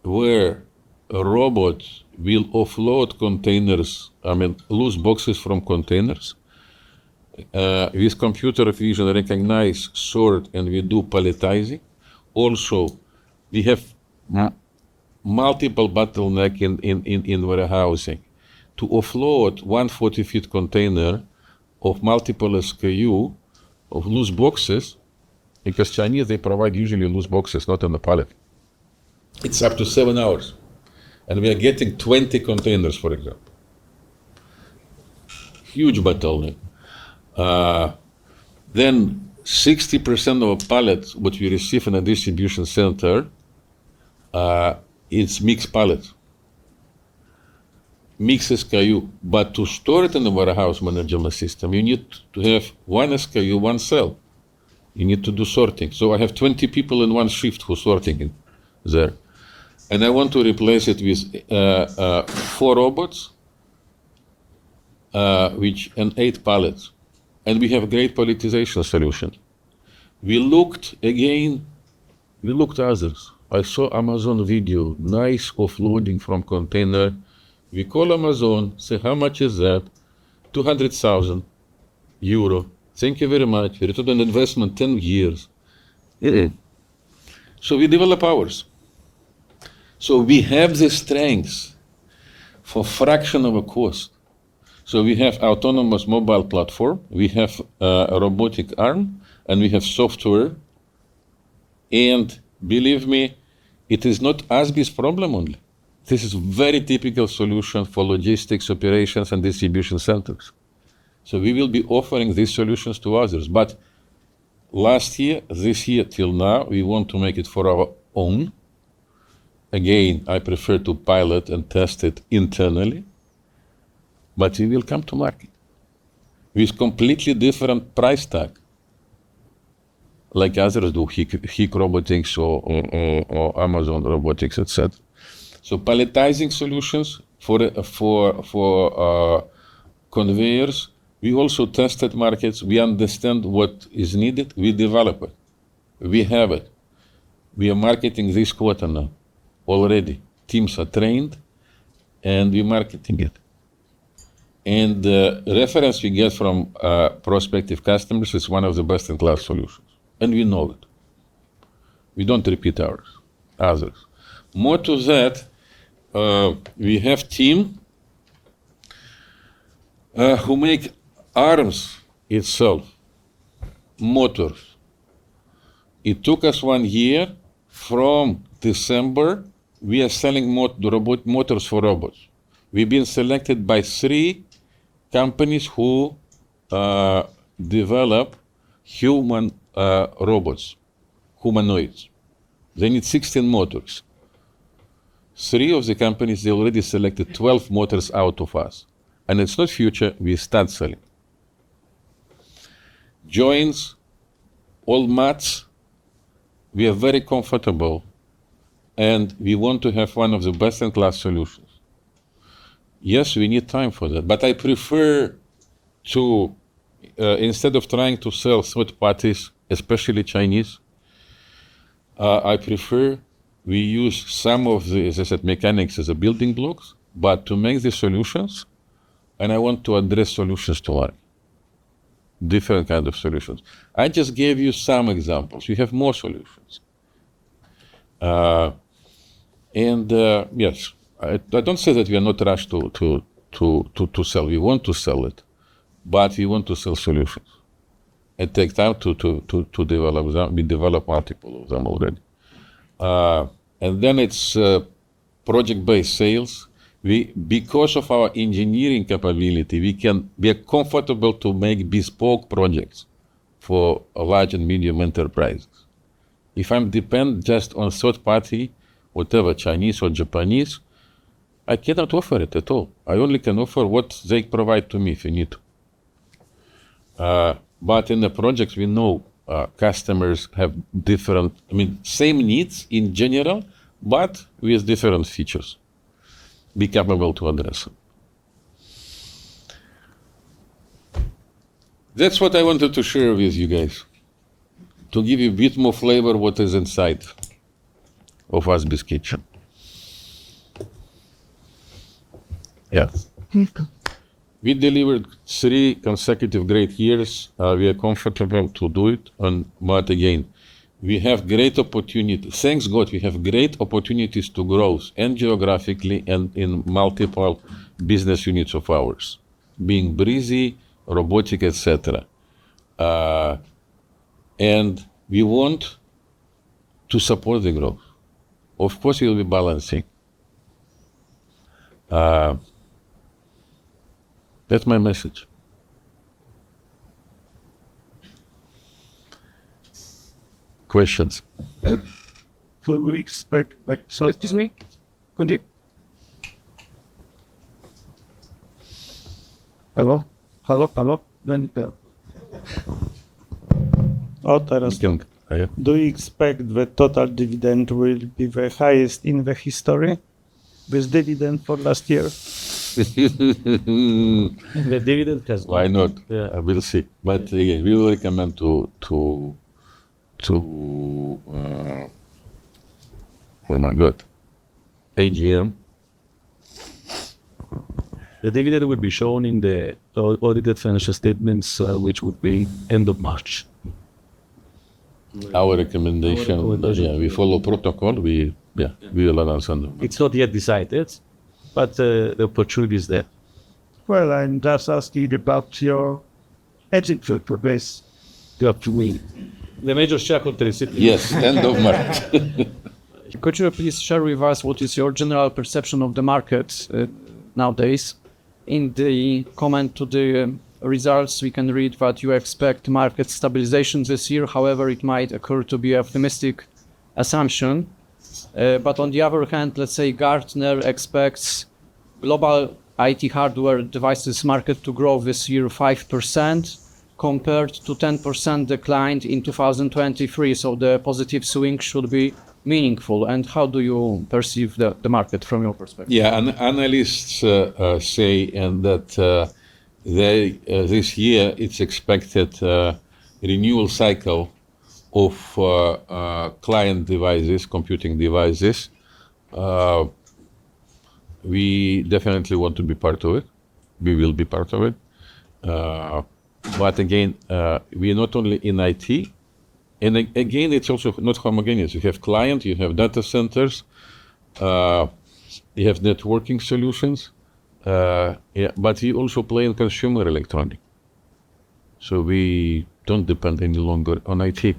where robots will offload containers, I mean, loose boxes from containers, with computer vision recognize, sort, and we do palletizing. Also, we have multiple bottleneck in warehousing. To offload one 40-foot container of multiple SKU of loose boxes. Because Chinese, they provide usually loose boxes, not on the pallet. It's up to seven hours, and we are getting 20 containers, for example. Huge bottleneck. Then 60% of pallets which we receive in a distribution center, it's mixed pallets, mixed SKU. To store it in the warehouse management system, you need to have one SKU, one cell. You need to do sorting. I have 20 people in one shift who's sorting it there, and I want to replace it with 4 robots and 8 pallets, and we have great palletization solution. We looked again, we looked at others. I saw Amazon video, nice offloading from container. We call Amazon, say, "How much is that?" 200,000 euro. Thank you very much. Return on investment, 10 years. It is. We develop ours. We have the solution for fraction of a cost. We have autonomous mobile platform, we have a robotic arm, and we have software. Believe me, it is not ASBIS problem only. This is very typical solution for logistics operations and distribution centers. We will be offering these solutions to others. Last year, this year till now, we want to make it for our own. Again, I prefer to pilot and test it internally, but it will come to market with completely different price tag, like others do, Hikrobot or Amazon Robotics, etc. Palletizing solutions for the conveyors, we also tested markets. We understand what is needed, we develop it. We have it. We are marketing this quarter now already. Teams are trained, and we're marketing it. The reference we get from prospective customers is one of the best-in-class solutions, and we know it. We don't repeat others. More to that, we have team who make arms itself, motors. It took us one year. From December, we are selling motors for robots. We've been selected by three companies who develop human robots, humanoids. They need 16 motors. Three of the companies, they already selected 12 motors out of us. It's not in the future, we start selling. Joints, all motors, we are very comfortable, and we want to have one of the best-in-class solutions. Yes, we need time for that, but I prefer to, instead of trying to sell third parties, especially Chinese, I prefer we use some of the, as I said, mechanics as building blocks, but to make the solutions, and I want to add solutions to life, different kind of solutions. I just gave you some examples. We have more solutions. Yes, I don't say that we are not rushed to sell. We want to sell it, but we want to sell solutions. It takes time to develop them. We develop multiples of them already. It's project-based sales. Because of our engineering capability, we are comfortable to make bespoke projects for large and medium enterprises. If I depend just on third party, whatever, Chinese or Japanese, I cannot offer it at all. I only can offer what they provide to me if you need. In the projects, we know, customers have different, I mean, same needs in general, but with different features. Be capable to address them. That's what I wanted to share with you guys, to give you a bit more flavor what is inside of ASBIS kitchen. Yes. Miko. We delivered three consecutive great years. We are comfortable to do it and more to gain. We have great opportunity. Thank God, we have great opportunities for growth, and geographically and in multiple business units of ours, being Breezy, robotics, et cetera. We want to support the growth. Of course, we'll be balancing. That's my message. Questions? We expect like Excuse me. Hello? Hello, hello. Can you hear? Oh, Taras. Young. Yeah. Do you expect the total dividend will be the highest in the history with dividend for last year? The dividend has. Why not? Yeah. I will see. Yeah, we recommend to. Oh my God. AGM. The dividend will be shown in the audited financial statements, which would be end of March. Our recommendation. Our recommendation. Yeah, we follow protocol. We will announce on them. It's not yet decided, but the opportunity is there. Well, I'm just asking about your exit progress. To me. The major shareholder is sitting. Yes, end of market. Could you please share with us what is your general perception of the market nowadays? In the comment to the results, we can read that you expect market stabilization this year. However, it might occur to be optimistic assumption. On the other hand, let's say Gartner expects global IT hardware devices market to grow this year 5% compared to 10% decline in 2023, so the positive swing should be meaningful. How do you perceive the market from your perspective? Yeah. Analysts say that this year it's expected renewal cycle of client devices, computing devices. We definitely want to be part of it. We will be part of it. Again, we're not only in IT, and again, it's also not homogeneous. You have client, you have data centers, you have networking solutions. Yeah, you also play in consumer electronics. We don't depend any longer on IT.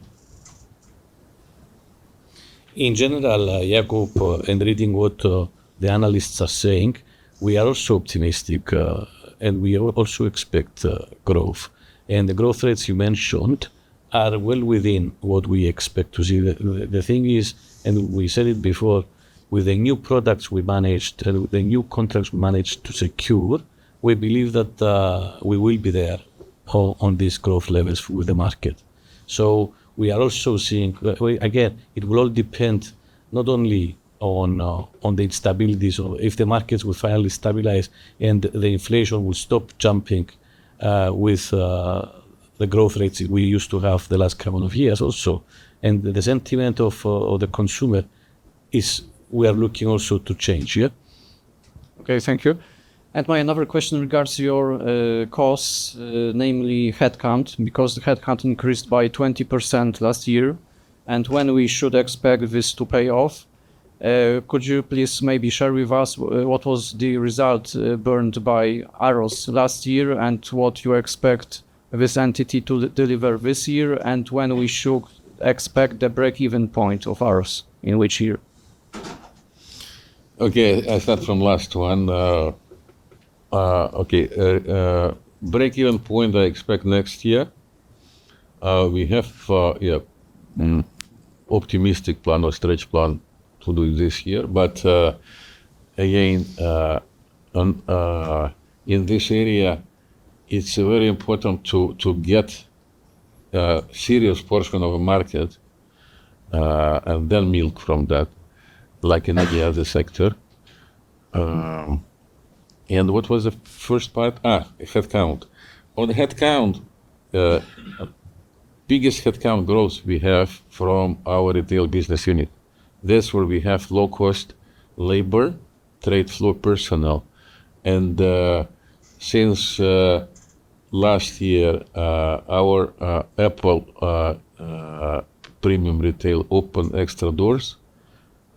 In general, Jakub, in reading what the analysts are saying, we are also optimistic, and we also expect growth. The growth rates you mentioned are well within what we expect to see. The thing is, and we said it before, with the new products we managed and the new contracts we managed to secure, we believe that we will be there on these growth levels with the market. We are also seeing. Again, it will all depend not only on the instabilities or if the markets will finally stabilize and the inflation will stop jumping with the growth rates we used to have the last couple of years also. The sentiment of the consumer is we are looking also to change. Okay. Thank you. My other question regarding your costs, namely headcount, because the headcount increased by 20% last year, and when we should expect this to pay off. Could you please maybe share with us what was the result earned by AROS last year, and what you expect this entity to deliver this year, and when we should expect the break-even point of AROS, in which year? Okay. I start from last one. Break-even point I expect next year. We have optimistic plan or stretch plan to do it this year. Again, in this area, it's very important to get serious portion of a market, and then milk from that like in any other sector. What was the first part? Headcount. On the headcount, biggest headcount growth we have from our retail business unit. That's where we have low-cost labor, trade floor personnel. Since last year, our Apple premium retail opened extra doors,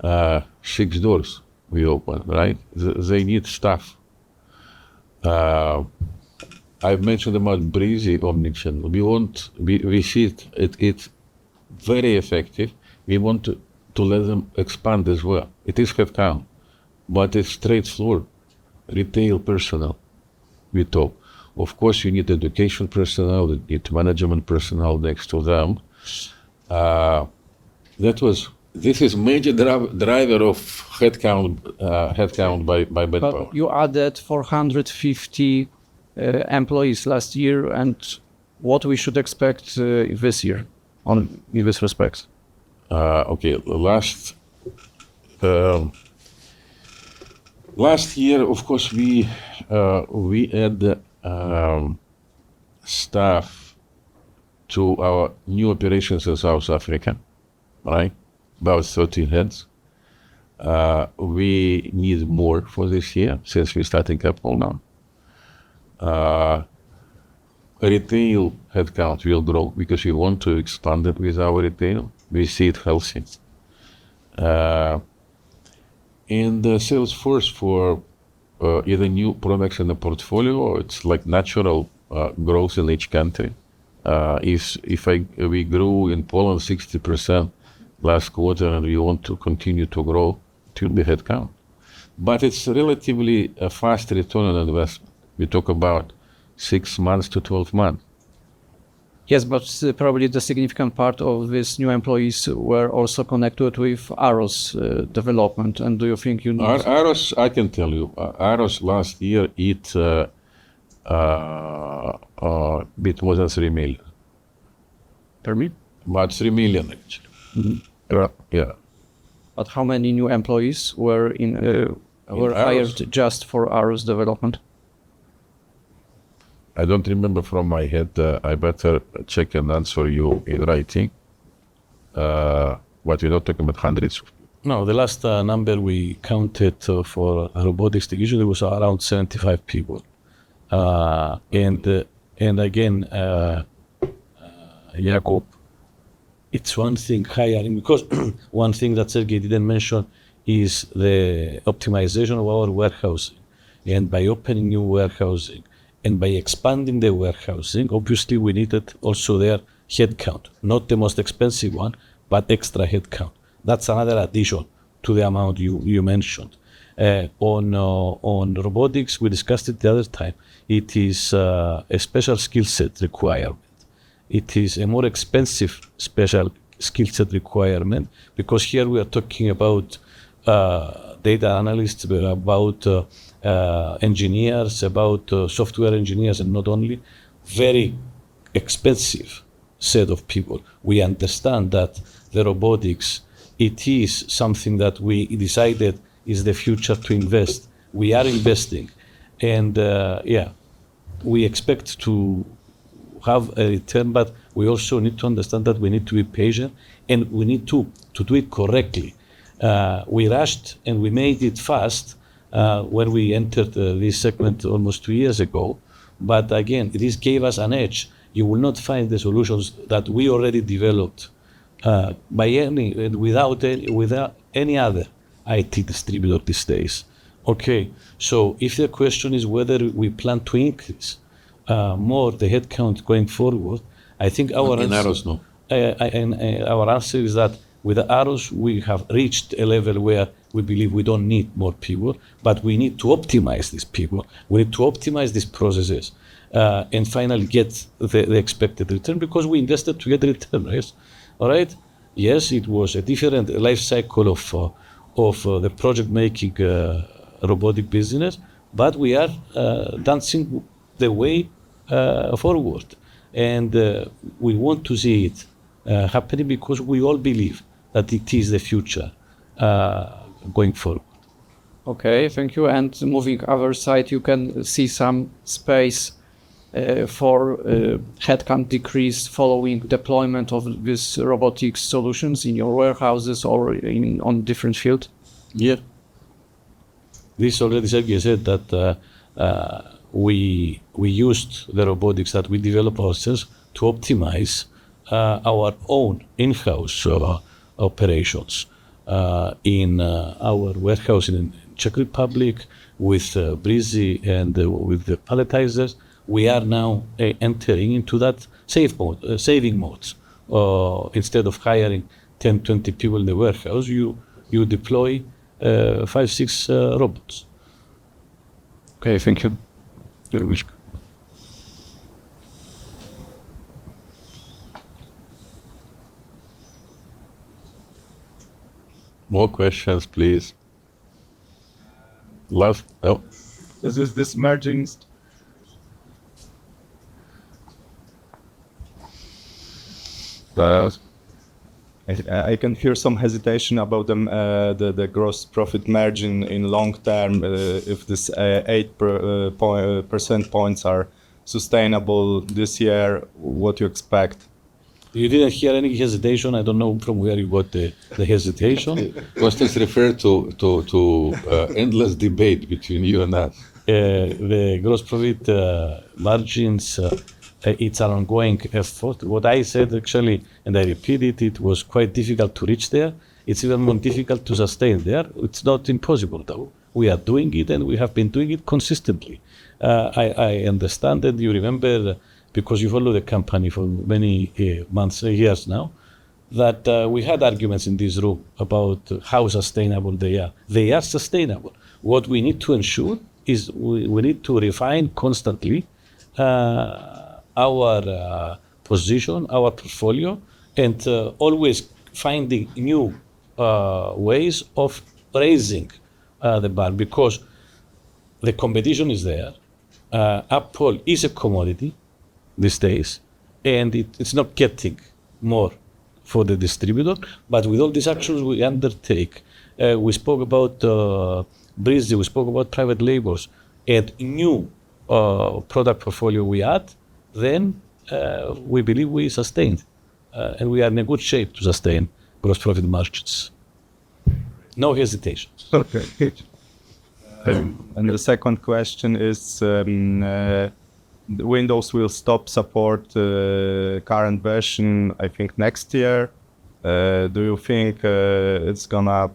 6 doors we opened, right? They need staff. I've mentioned about Breezy omnichannel. We see it's very effective. We want to let them expand as well. It is headcount, but it's trade floor retail personnel we talk. Of course, you need educated personnel, you need management personnel next to them. This is major driver of headcount by department. You added 450 employees last year, and what we should expect this year on in this respect? Okay. Last year, of course, we added staff to our new operations in South Africa, right? About 13 heads. We need more for this year since we're starting Apple now. Retail headcount will grow because we want to expand it with our retail. We see it healthy. The sales force for other new products in the portfolio, it's like natural growth in each country. If we grew in Poland 60% last quarter and we want to continue to grow, it will be headcount. It's relatively a fast return on investment. We talk about 6 months to 12 months. Yes, but probably the significant part of these new employees were also connected with AROS development. Do you think you need- AROS, I can tell you. AROS last year, it was at $3 million. Pardon me? About $3 million actually. Mm-hmm. Yeah. How many new employees were in? In AROS? Were hired just for AROS development? I don't remember from my head. I better check and answer you in writing. We're not talking about hundreds. No. The last number we counted for robotics division was around 75 people. Again, Jakub It's one thing hiring because one thing that Siarhei didn't mention is the optimization of our warehousing. By opening new warehousing and by expanding the warehousing, obviously we needed also their headcount. Not the most expensive one, but extra headcount. That's another addition to the amount you mentioned. On robotics, we discussed it the other time. It is a special skill set requirement. It is a more expensive special skill set requirement because here we are talking about data analysts, about engineers, about software engineers and not only. Very expensive set of people. We understand that the robotics, it is something that we decided is the future to invest. We are investing and we expect to have a return, but we also need to understand that we need to be patient, and we need to do it correctly. We rushed, and we made it fast, when we entered this segment almost two years ago. Again, this gave us an edge. You will not find the solutions that we already developed without any other IT distributor these days. Okay, if your question is whether we plan to increase more the headcount going forward, I think our- No. Our answer is that with AROS's we have reached a level where we believe we don't need more people, but we need to optimize these people. We need to optimize these processes, and finally get the expected return because we invested to get return. Yes. All right? Yes, it was a different life cycle of the project making a robotic business, but we are dancing the way forward. We want to see it happening because we all believe that it is the future going forward. Okay. Thank you. Moving to the other side, you can see some space for headcount decrease following deployment of these robotic solutions in your warehouses or in other fields? This, as Sergei already said, we used the robotics that we developed ourselves to optimize our own in-house operations in our warehouse in Czech Republic with Breezy and with the palletizers. We are now entering into that saving mode, saving modes. Instead of hiring 10, 20 people in the warehouse, you deploy 5, 6 robots. Okay. Thank you. You're welcome. More questions, please. Is this merging st- Go ahead. I can hear some hesitation about the gross profit margin in long term, if these 8 percentage points are sustainable this year, what you expect? You didn't hear any hesitation. I don't know from where you got the hesitation. Kosti is referring to endless debate between you and us. The gross profit margins, it's an ongoing effort. What I said, actually, and I repeat it was quite difficult to reach there. It's even more difficult to sustain there. It's not impossible, though. We are doing it, and we have been doing it consistently. I understand that you remember because you follow the company for many months, years now, that we had arguments in this room about how sustainable they are. They are sustainable. What we need to ensure is we need to refine constantly our position, our portfolio, and always finding new ways of raising the bar because the competition is there. Apple is a commodity these days, and it's not getting more for the distributor. With all these actions we undertake, we spoke about Breezy, we spoke about private labels and new product portfolio we add, then we believe we sustained and we are in a good shape to sustain gross profit margins. No hesitations. Okay. Piotr. The second question is, Windows will stop support current version, I think next year. Do you think it's gonna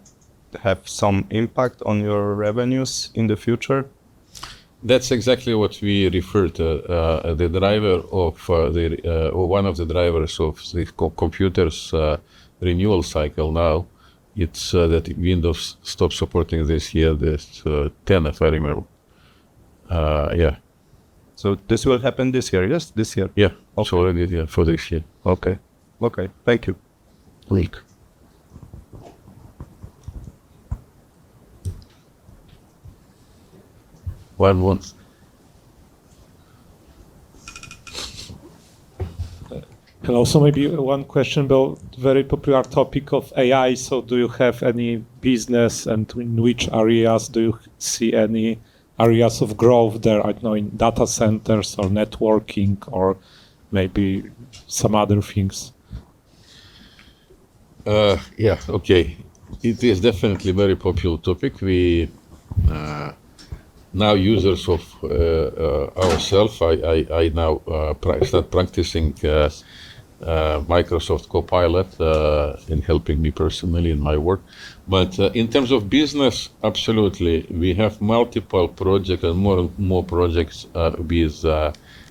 have some impact on your revenues in the future? That's exactly what we refer to, the driver of, or one of the drivers of the computers' renewal cycle now. It's that Windows 10 stop supporting this year, if I remember. Yeah. This will happen this year. Yes, this year? Yeah. Okay. Early this year. For this year. Okay. Thank you. Luke. One more. Can also maybe one question about very popular topic of AI. Do you have any business, and in which areas do you see any areas of growth there? I don't know, in data centers or networking or maybe some other things. It is definitely very popular topic. We now users of ourselves. I now start practicing Microsoft Copilot in helping me personally in my work. In terms of business, absolutely, we have multiple projects and more projects with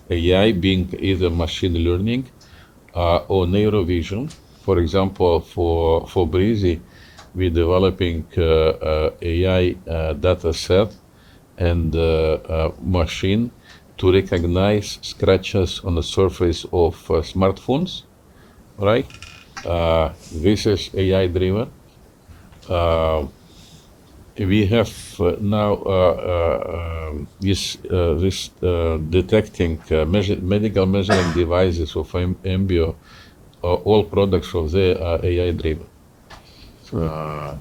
AI being either machine learning or computer vision. For example, for Breezy, we're developing AI dataset and machine to recognize scratches on the surface of smartphones, right? We have now this detecting medical measuring devices of Embio, all products from there are AI-driven. Right.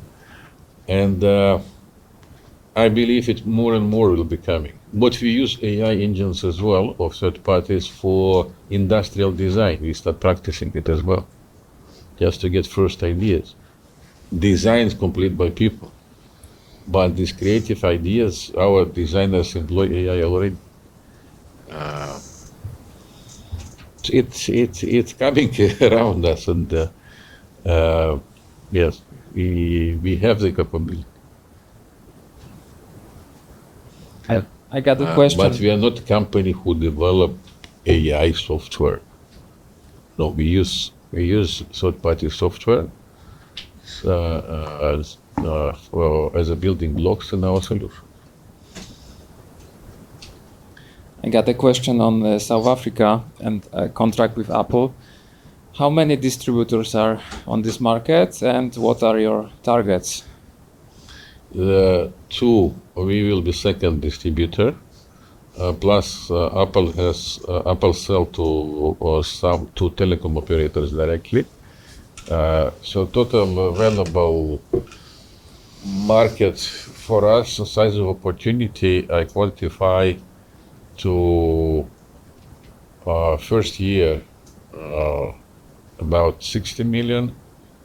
I believe it more and more will be coming. We use AI engines as well of third parties for industrial design. We start practicing it as well, just to get first ideas. Design is completed by people, but these creative ideas, our designers employ AI already. It's coming around us, yes, we have the capability. I got a question- We are not company who develop AI software. No, we use third-party software, as well as building blocks in our solution. I got a question on, South Africa and a contract with Apple. How many distributors are on this market, and what are your targets? We will be second distributor. Plus, Apple sells to some two telecom operators directly. Total available market for us, the size of opportunity I quantify to first year about $60 million,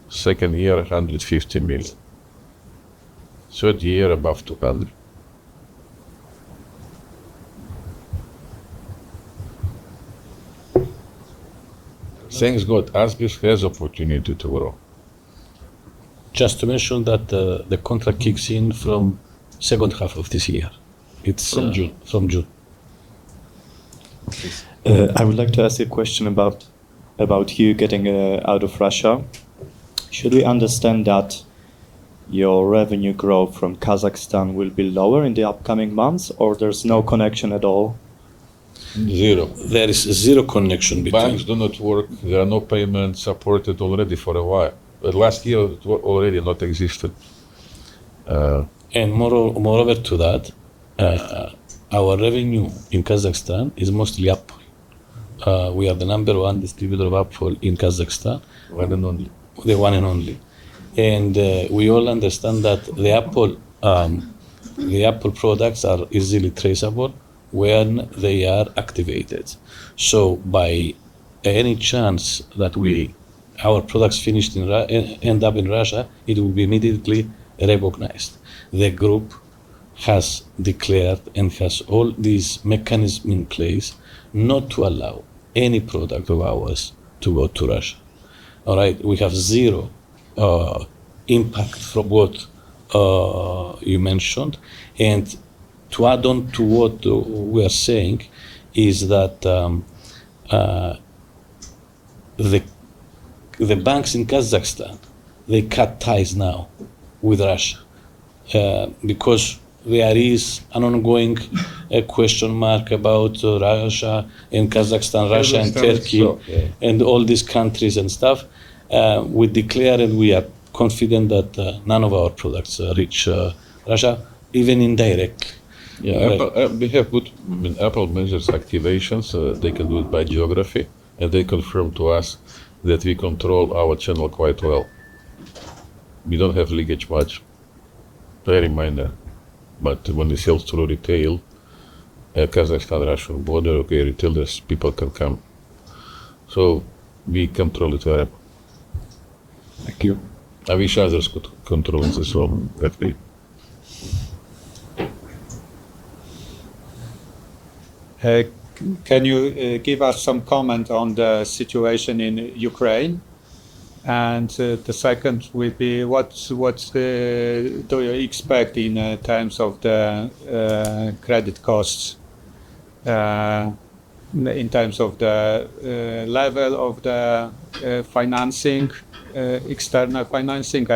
second year $150 million, third year above $200 million. Thank God, ASBIS has opportunity to grow. Just to mention that the contract kicks in from second half of this year. It's from June. From June. Okay. I would like to ask you a question about you getting out of Russia. Should we understand that your revenue growth from Kazakhstan will be lower in the upcoming months, or there's no connection at all? Zero. There is zero connection between. Banks do not work. There are no payments supported already for a while. The last year already not existed. Moreover to that, our revenue in Kazakhstan is mostly Apple. We are the number one distributor of Apple in Kazakhstan. One and only. The one and only. We all understand that the Apple products are easily traceable when they are activated. By any chance that our products end up in Russia, it will be immediately recognized. The group has declared and has all these mechanisms in place not to allow any product of ours to go to Russia. All right. We have zero impact from what you mentioned. To add on to what we are saying is that the banks in Kazakhstan, they cut ties now with Russia because there is an ongoing question mark about Russia and Kazakhstan, Russia and Turkey. Yeah. All these countries and stuff. We declare and we are confident that none of our products reach Russia, even indirectly. Yeah. Apple, I mean, Apple measures activations, they can do it by geography, and they confirm to us that we control our channel quite well. We don't have leakage much, very minor. When we sell through retail at Kazakhstan-Russia border, okay, retailers, people can come. We control it well. Thank you. I wish others could control this well like we. Can you give us some comment on the situation in Ukraine? The second will be what do you expect in terms of the credit costs, in terms of the level of the external financing,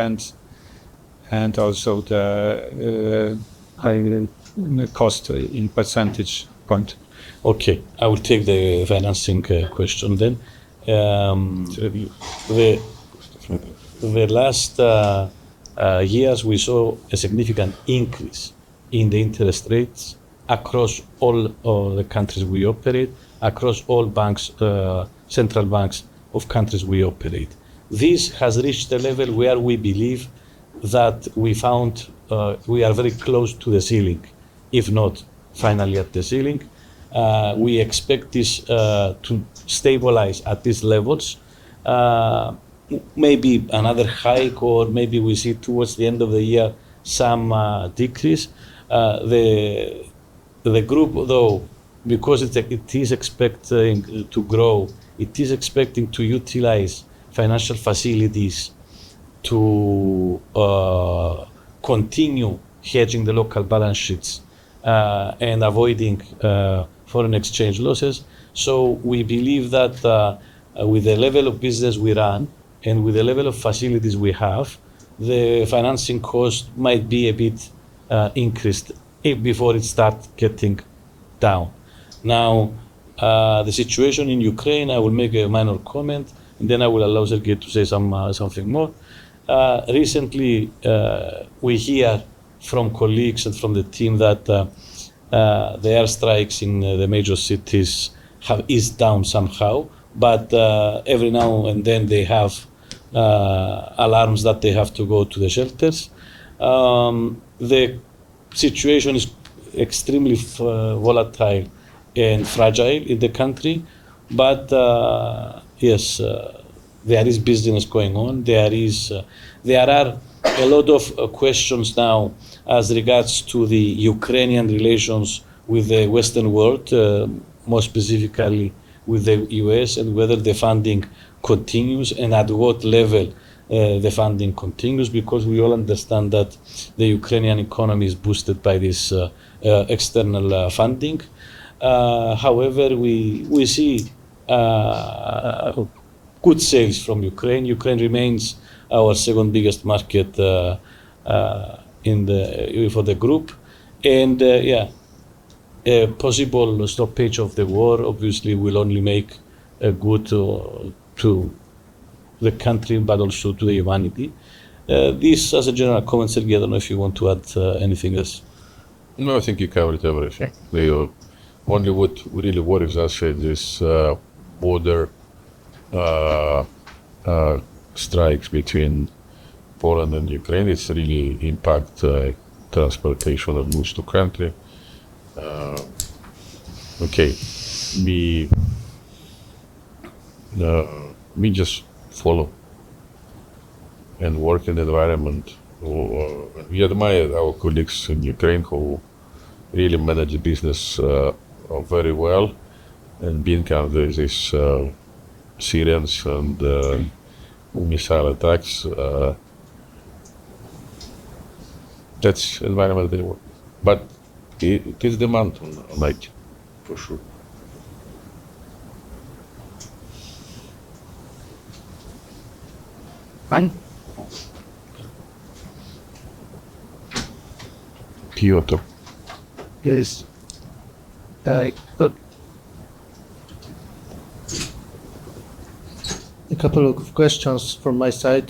and also the high rate cost in percentage point? Okay, I will take the financing question then. Should I be- The last years we saw a significant increase in the interest rates across all of the countries we operate, across all banks, central banks of countries we operate. This has reached a level where we believe that we are very close to the ceiling, if not finally at the ceiling. We expect this to stabilize at these levels. Maybe another hike or maybe we see towards the end of the year some decrease. The group though, because it is expecting to grow, it is expecting to utilize financial facilities to continue hedging the local balance sheets, and avoiding foreign exchange losses. We believe that with the level of business we run and with the level of facilities we have, the financing cost might be a bit increased before it start getting down. Now, the situation in Ukraine, I will make a minor comment, and then I will allow Siarhei to say something more. Recently, we hear from colleagues and from the team that the airstrikes in the major cities have eased down somehow, but every now and then they have alarms that they have to go to the shelters. The situation is extremely volatile and fragile in the country, but yes, there is business going on. There are a lot of questions now as regards to the Ukrainian relations with the Western world, more specifically with the U.S., and whether the funding continues, and at what level the funding continues, because we all understand that the Ukrainian economy is boosted by this external funding. However, we see good sales from Ukraine. Ukraine remains our second biggest market for the group, and yeah, a possible stoppage of the war obviously will only do good to the country, but also to the humanity. This as a general comment, Siarhei. I don't know if you want to add anything else. No, I think you covered everything. Sure. Only what really worries us is this border strikes between Poland and Ukraine. It's really impact transportation of goods to country. Okay. We just follow and work in environment. We admire our colleagues in Ukraine who really manage the business very well and being under this sirens and missile attacks, that's environment they work, but it is demand on edge for sure. Fine. Piotr. Yes. A couple of questions from my side.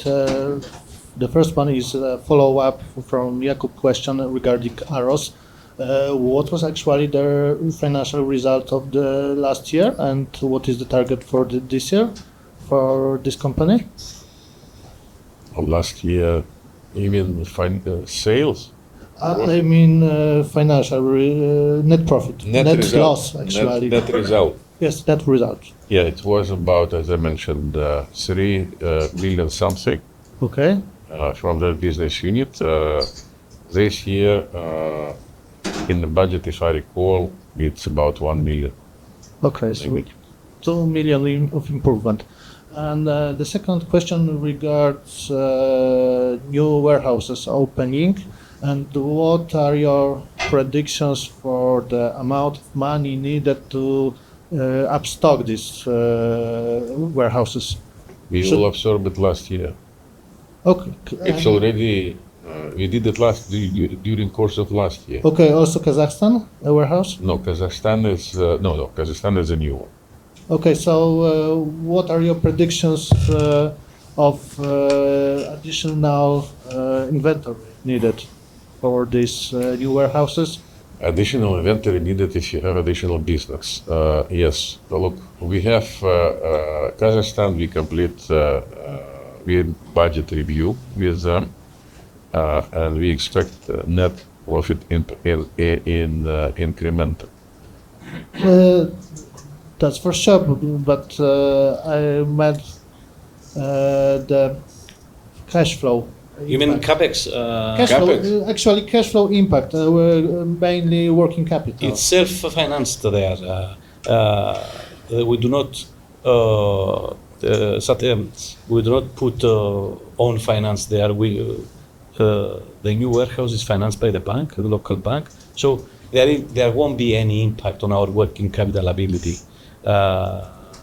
The first one is a follow-up from Jakub's question regarding AROS. What was actually their financial result of the last year, and what is the target for this year for this company? Of last year, you mean sales? I mean, net profit. Net result. Net loss actually. Net, net result. Yes. Net result. Yeah. It was about, as I mentioned, $3 million something. Okay. From that business unit. This year, in the budget, if I recall, it's about $1 million. Okay. Maybe. million of improvement. The second question regards new warehouses opening, and what are your predictions for the amount of money needed to up stock these warehouses? We will absorb it last year. Okay. We did it during course of last year. Okay. Also Kazakhstan warehouse? No, no. Kazakhstan is a new one. What are your predictions of additional inventory needed for these new warehouses? Additional inventory needed if you have additional business. Yes. Look, we have Kazakhstan. We completed budget review with them, and we expect net profit improvement, incremental. That's for sure, but I meant the cash flow impact. You mean CapEx? CapEx? Cash flow. Actually, cash flow impact. We're mainly working capital. It's self-financed there. We do not put own finance there. The new warehouse is financed by the bank, the local bank. There won't be any impact on our working capital ability.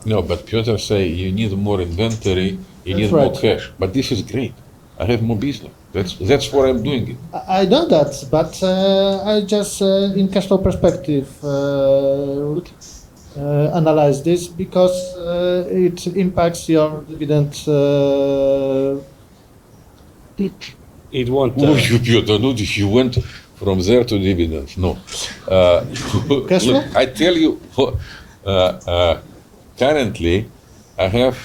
No, Piotr say you need more inventory. That's right.... you need more cash. This is great. I have more business. That's why I'm doing it. I know that, but I just, in cash flow perspective, look, analyze this because it impacts your dividends each. It won't. You went from there to dividends. No. Look, I tell you for currently I have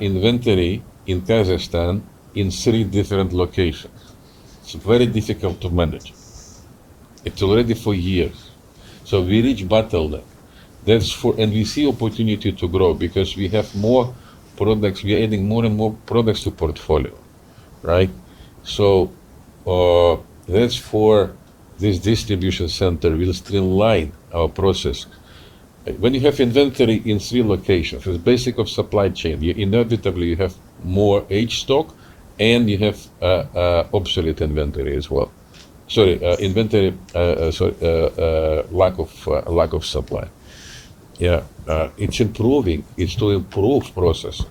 inventory in Kazakhstan in three different locations. It's very difficult to manage. It's already four years, so we reach bottleneck. That's for we see opportunity to grow because we have more products. We are adding more and more products to portfolio, right? That's for this distribution center will streamline our process. When you have inventory in three locations, the basics of supply chain, you inevitably have more aged stock, and you have obsolete inventory as well. Sorry, lack of supply. Yeah, it's improving. It still improves processes.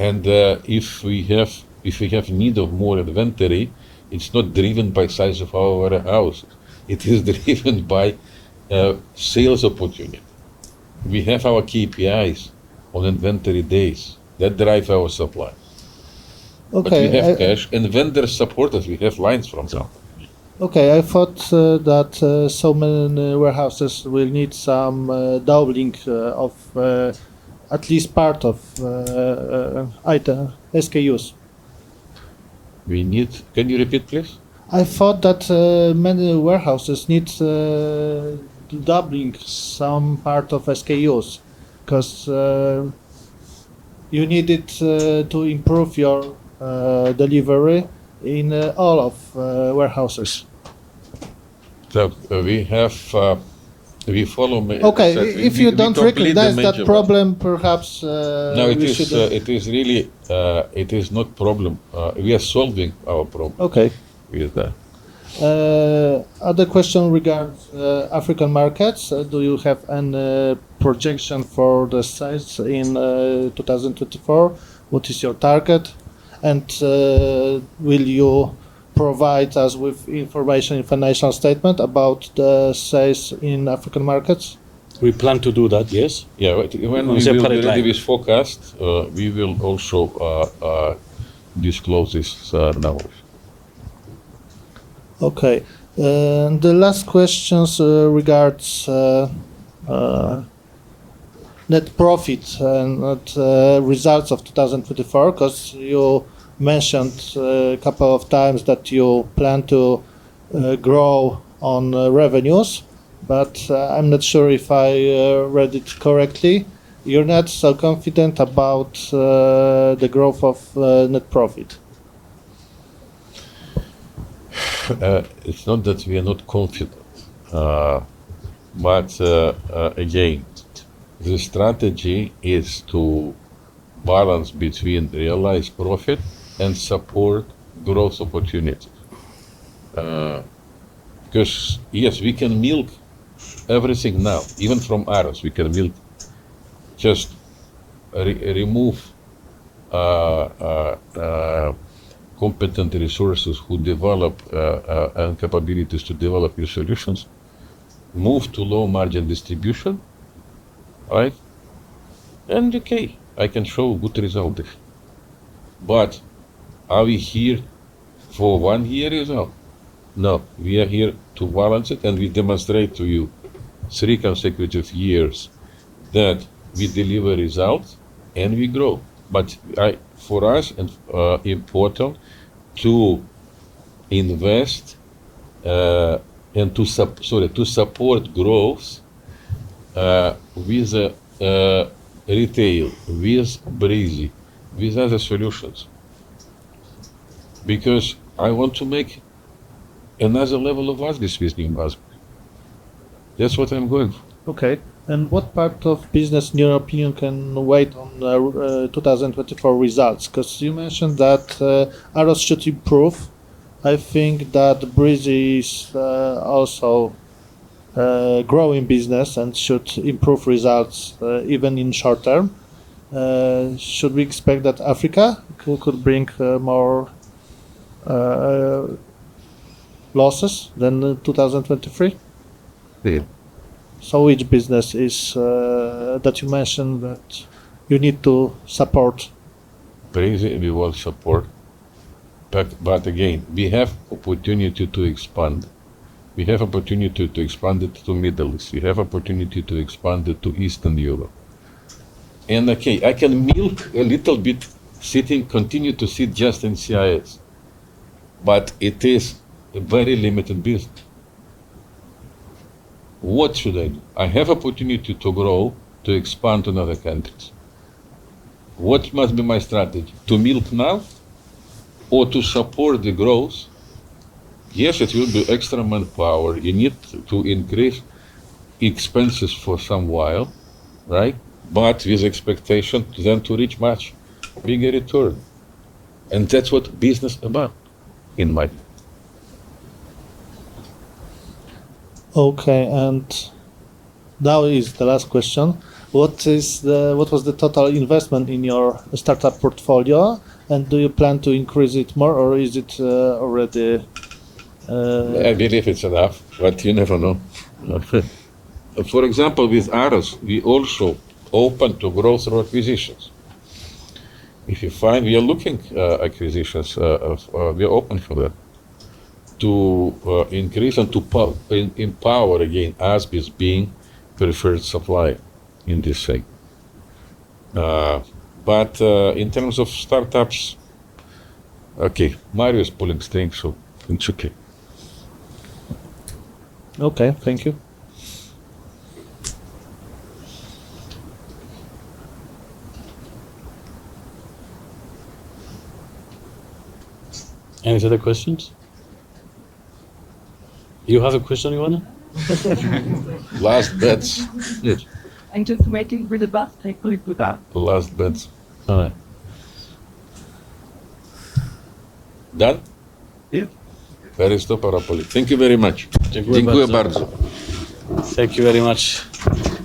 If we have need of more inventory, it's not driven by size of our warehouses, it is driven by sales opportunity. We have our KPIs on inventory days that drive our supply. Okay. We have cash and vendors support us. We have lines from them. Okay, I thought that so many warehouses will need some doubling of at least part of item SKUs. Can you repeat, please? I thought that many warehouses need doubling some part of SKUs 'cause you needed to improve your delivery in all of warehouses. We have, we follow Okay, if you don't recognize that problem, perhaps. No, it is really not a problem. We are solving our problem. Okay. With that. Another question regarding African markets. Do you have any projection for the sales in 2024? What is your target? Will you provide us with information in financial statement about the sales in African markets? We plan to do that, yes. Yeah, when we will release forecast, we will also disclose this numbers. Okay. The last questions regarding net profits and net results of 2024, 'cause you mentioned a couple of times that you plan to grow revenues, but I'm not sure if I read it correctly. You're not so confident about the growth of net profit? It's not that we are not confident, but again, the strategy is to balance between realized profit and support growth opportunities. Yes, we can milk everything now, even from AROS, just remove competent resources who develop and capabilities to develop new solutions, move to low-margin distribution, right? Okay, I can show good result there. Are we here for one-year result? No, we are here to balance it, and we demonstrate to you three consecutive years that we deliver results and we grow. For us, it's important to invest and to support growth, with retail, with Breezy, with other solutions. I want to make another level of ASBISc business. That's what I'm going for. Okay. What part of business, in your opinion, can wait on 2024 results? 'Cause you mentioned that AROS should improve. I think that Breezy is also a growing business and should improve results even in short term. Should we expect that Africa could bring more losses than 2023? Yeah. Which business is that you mentioned that you need to support? Breezy, we will support, but again, we have opportunity to expand. We have opportunity to expand it to Middle East. We have opportunity to expand it to Eastern Europe. Okay, I can milk a little bit sitting, continue to sit just in CIS, but it is a very limited business. What should I do? I have opportunity to grow, to expand to another countries. What must be my strategy? To milk now or to support the growth? Yes, it will be extra manpower. You need to increase expenses for some while, right? With expectation then to reach much bigger return. That's what business about in my view. Okay, now is the last question. What was the total investment in your startup portfolio? Do you plan to increase it more or is it already I believe it's enough, but you never know. For example, with AROS, we are also open to growth through acquisitions. We are looking for acquisitions. We are open for that to increase and to empower again ASBIS being preferred supplier in this segment. In terms of startups. Okay, Mario is pulling strings, so it's okay. Okay, thank you. Any other questions? You have a question you wanna? Last bets. Yes. I'm just waiting for the bus, thankfully for that. The last bets. All right. Done? Yeah. Thank you very much. Thank you very much.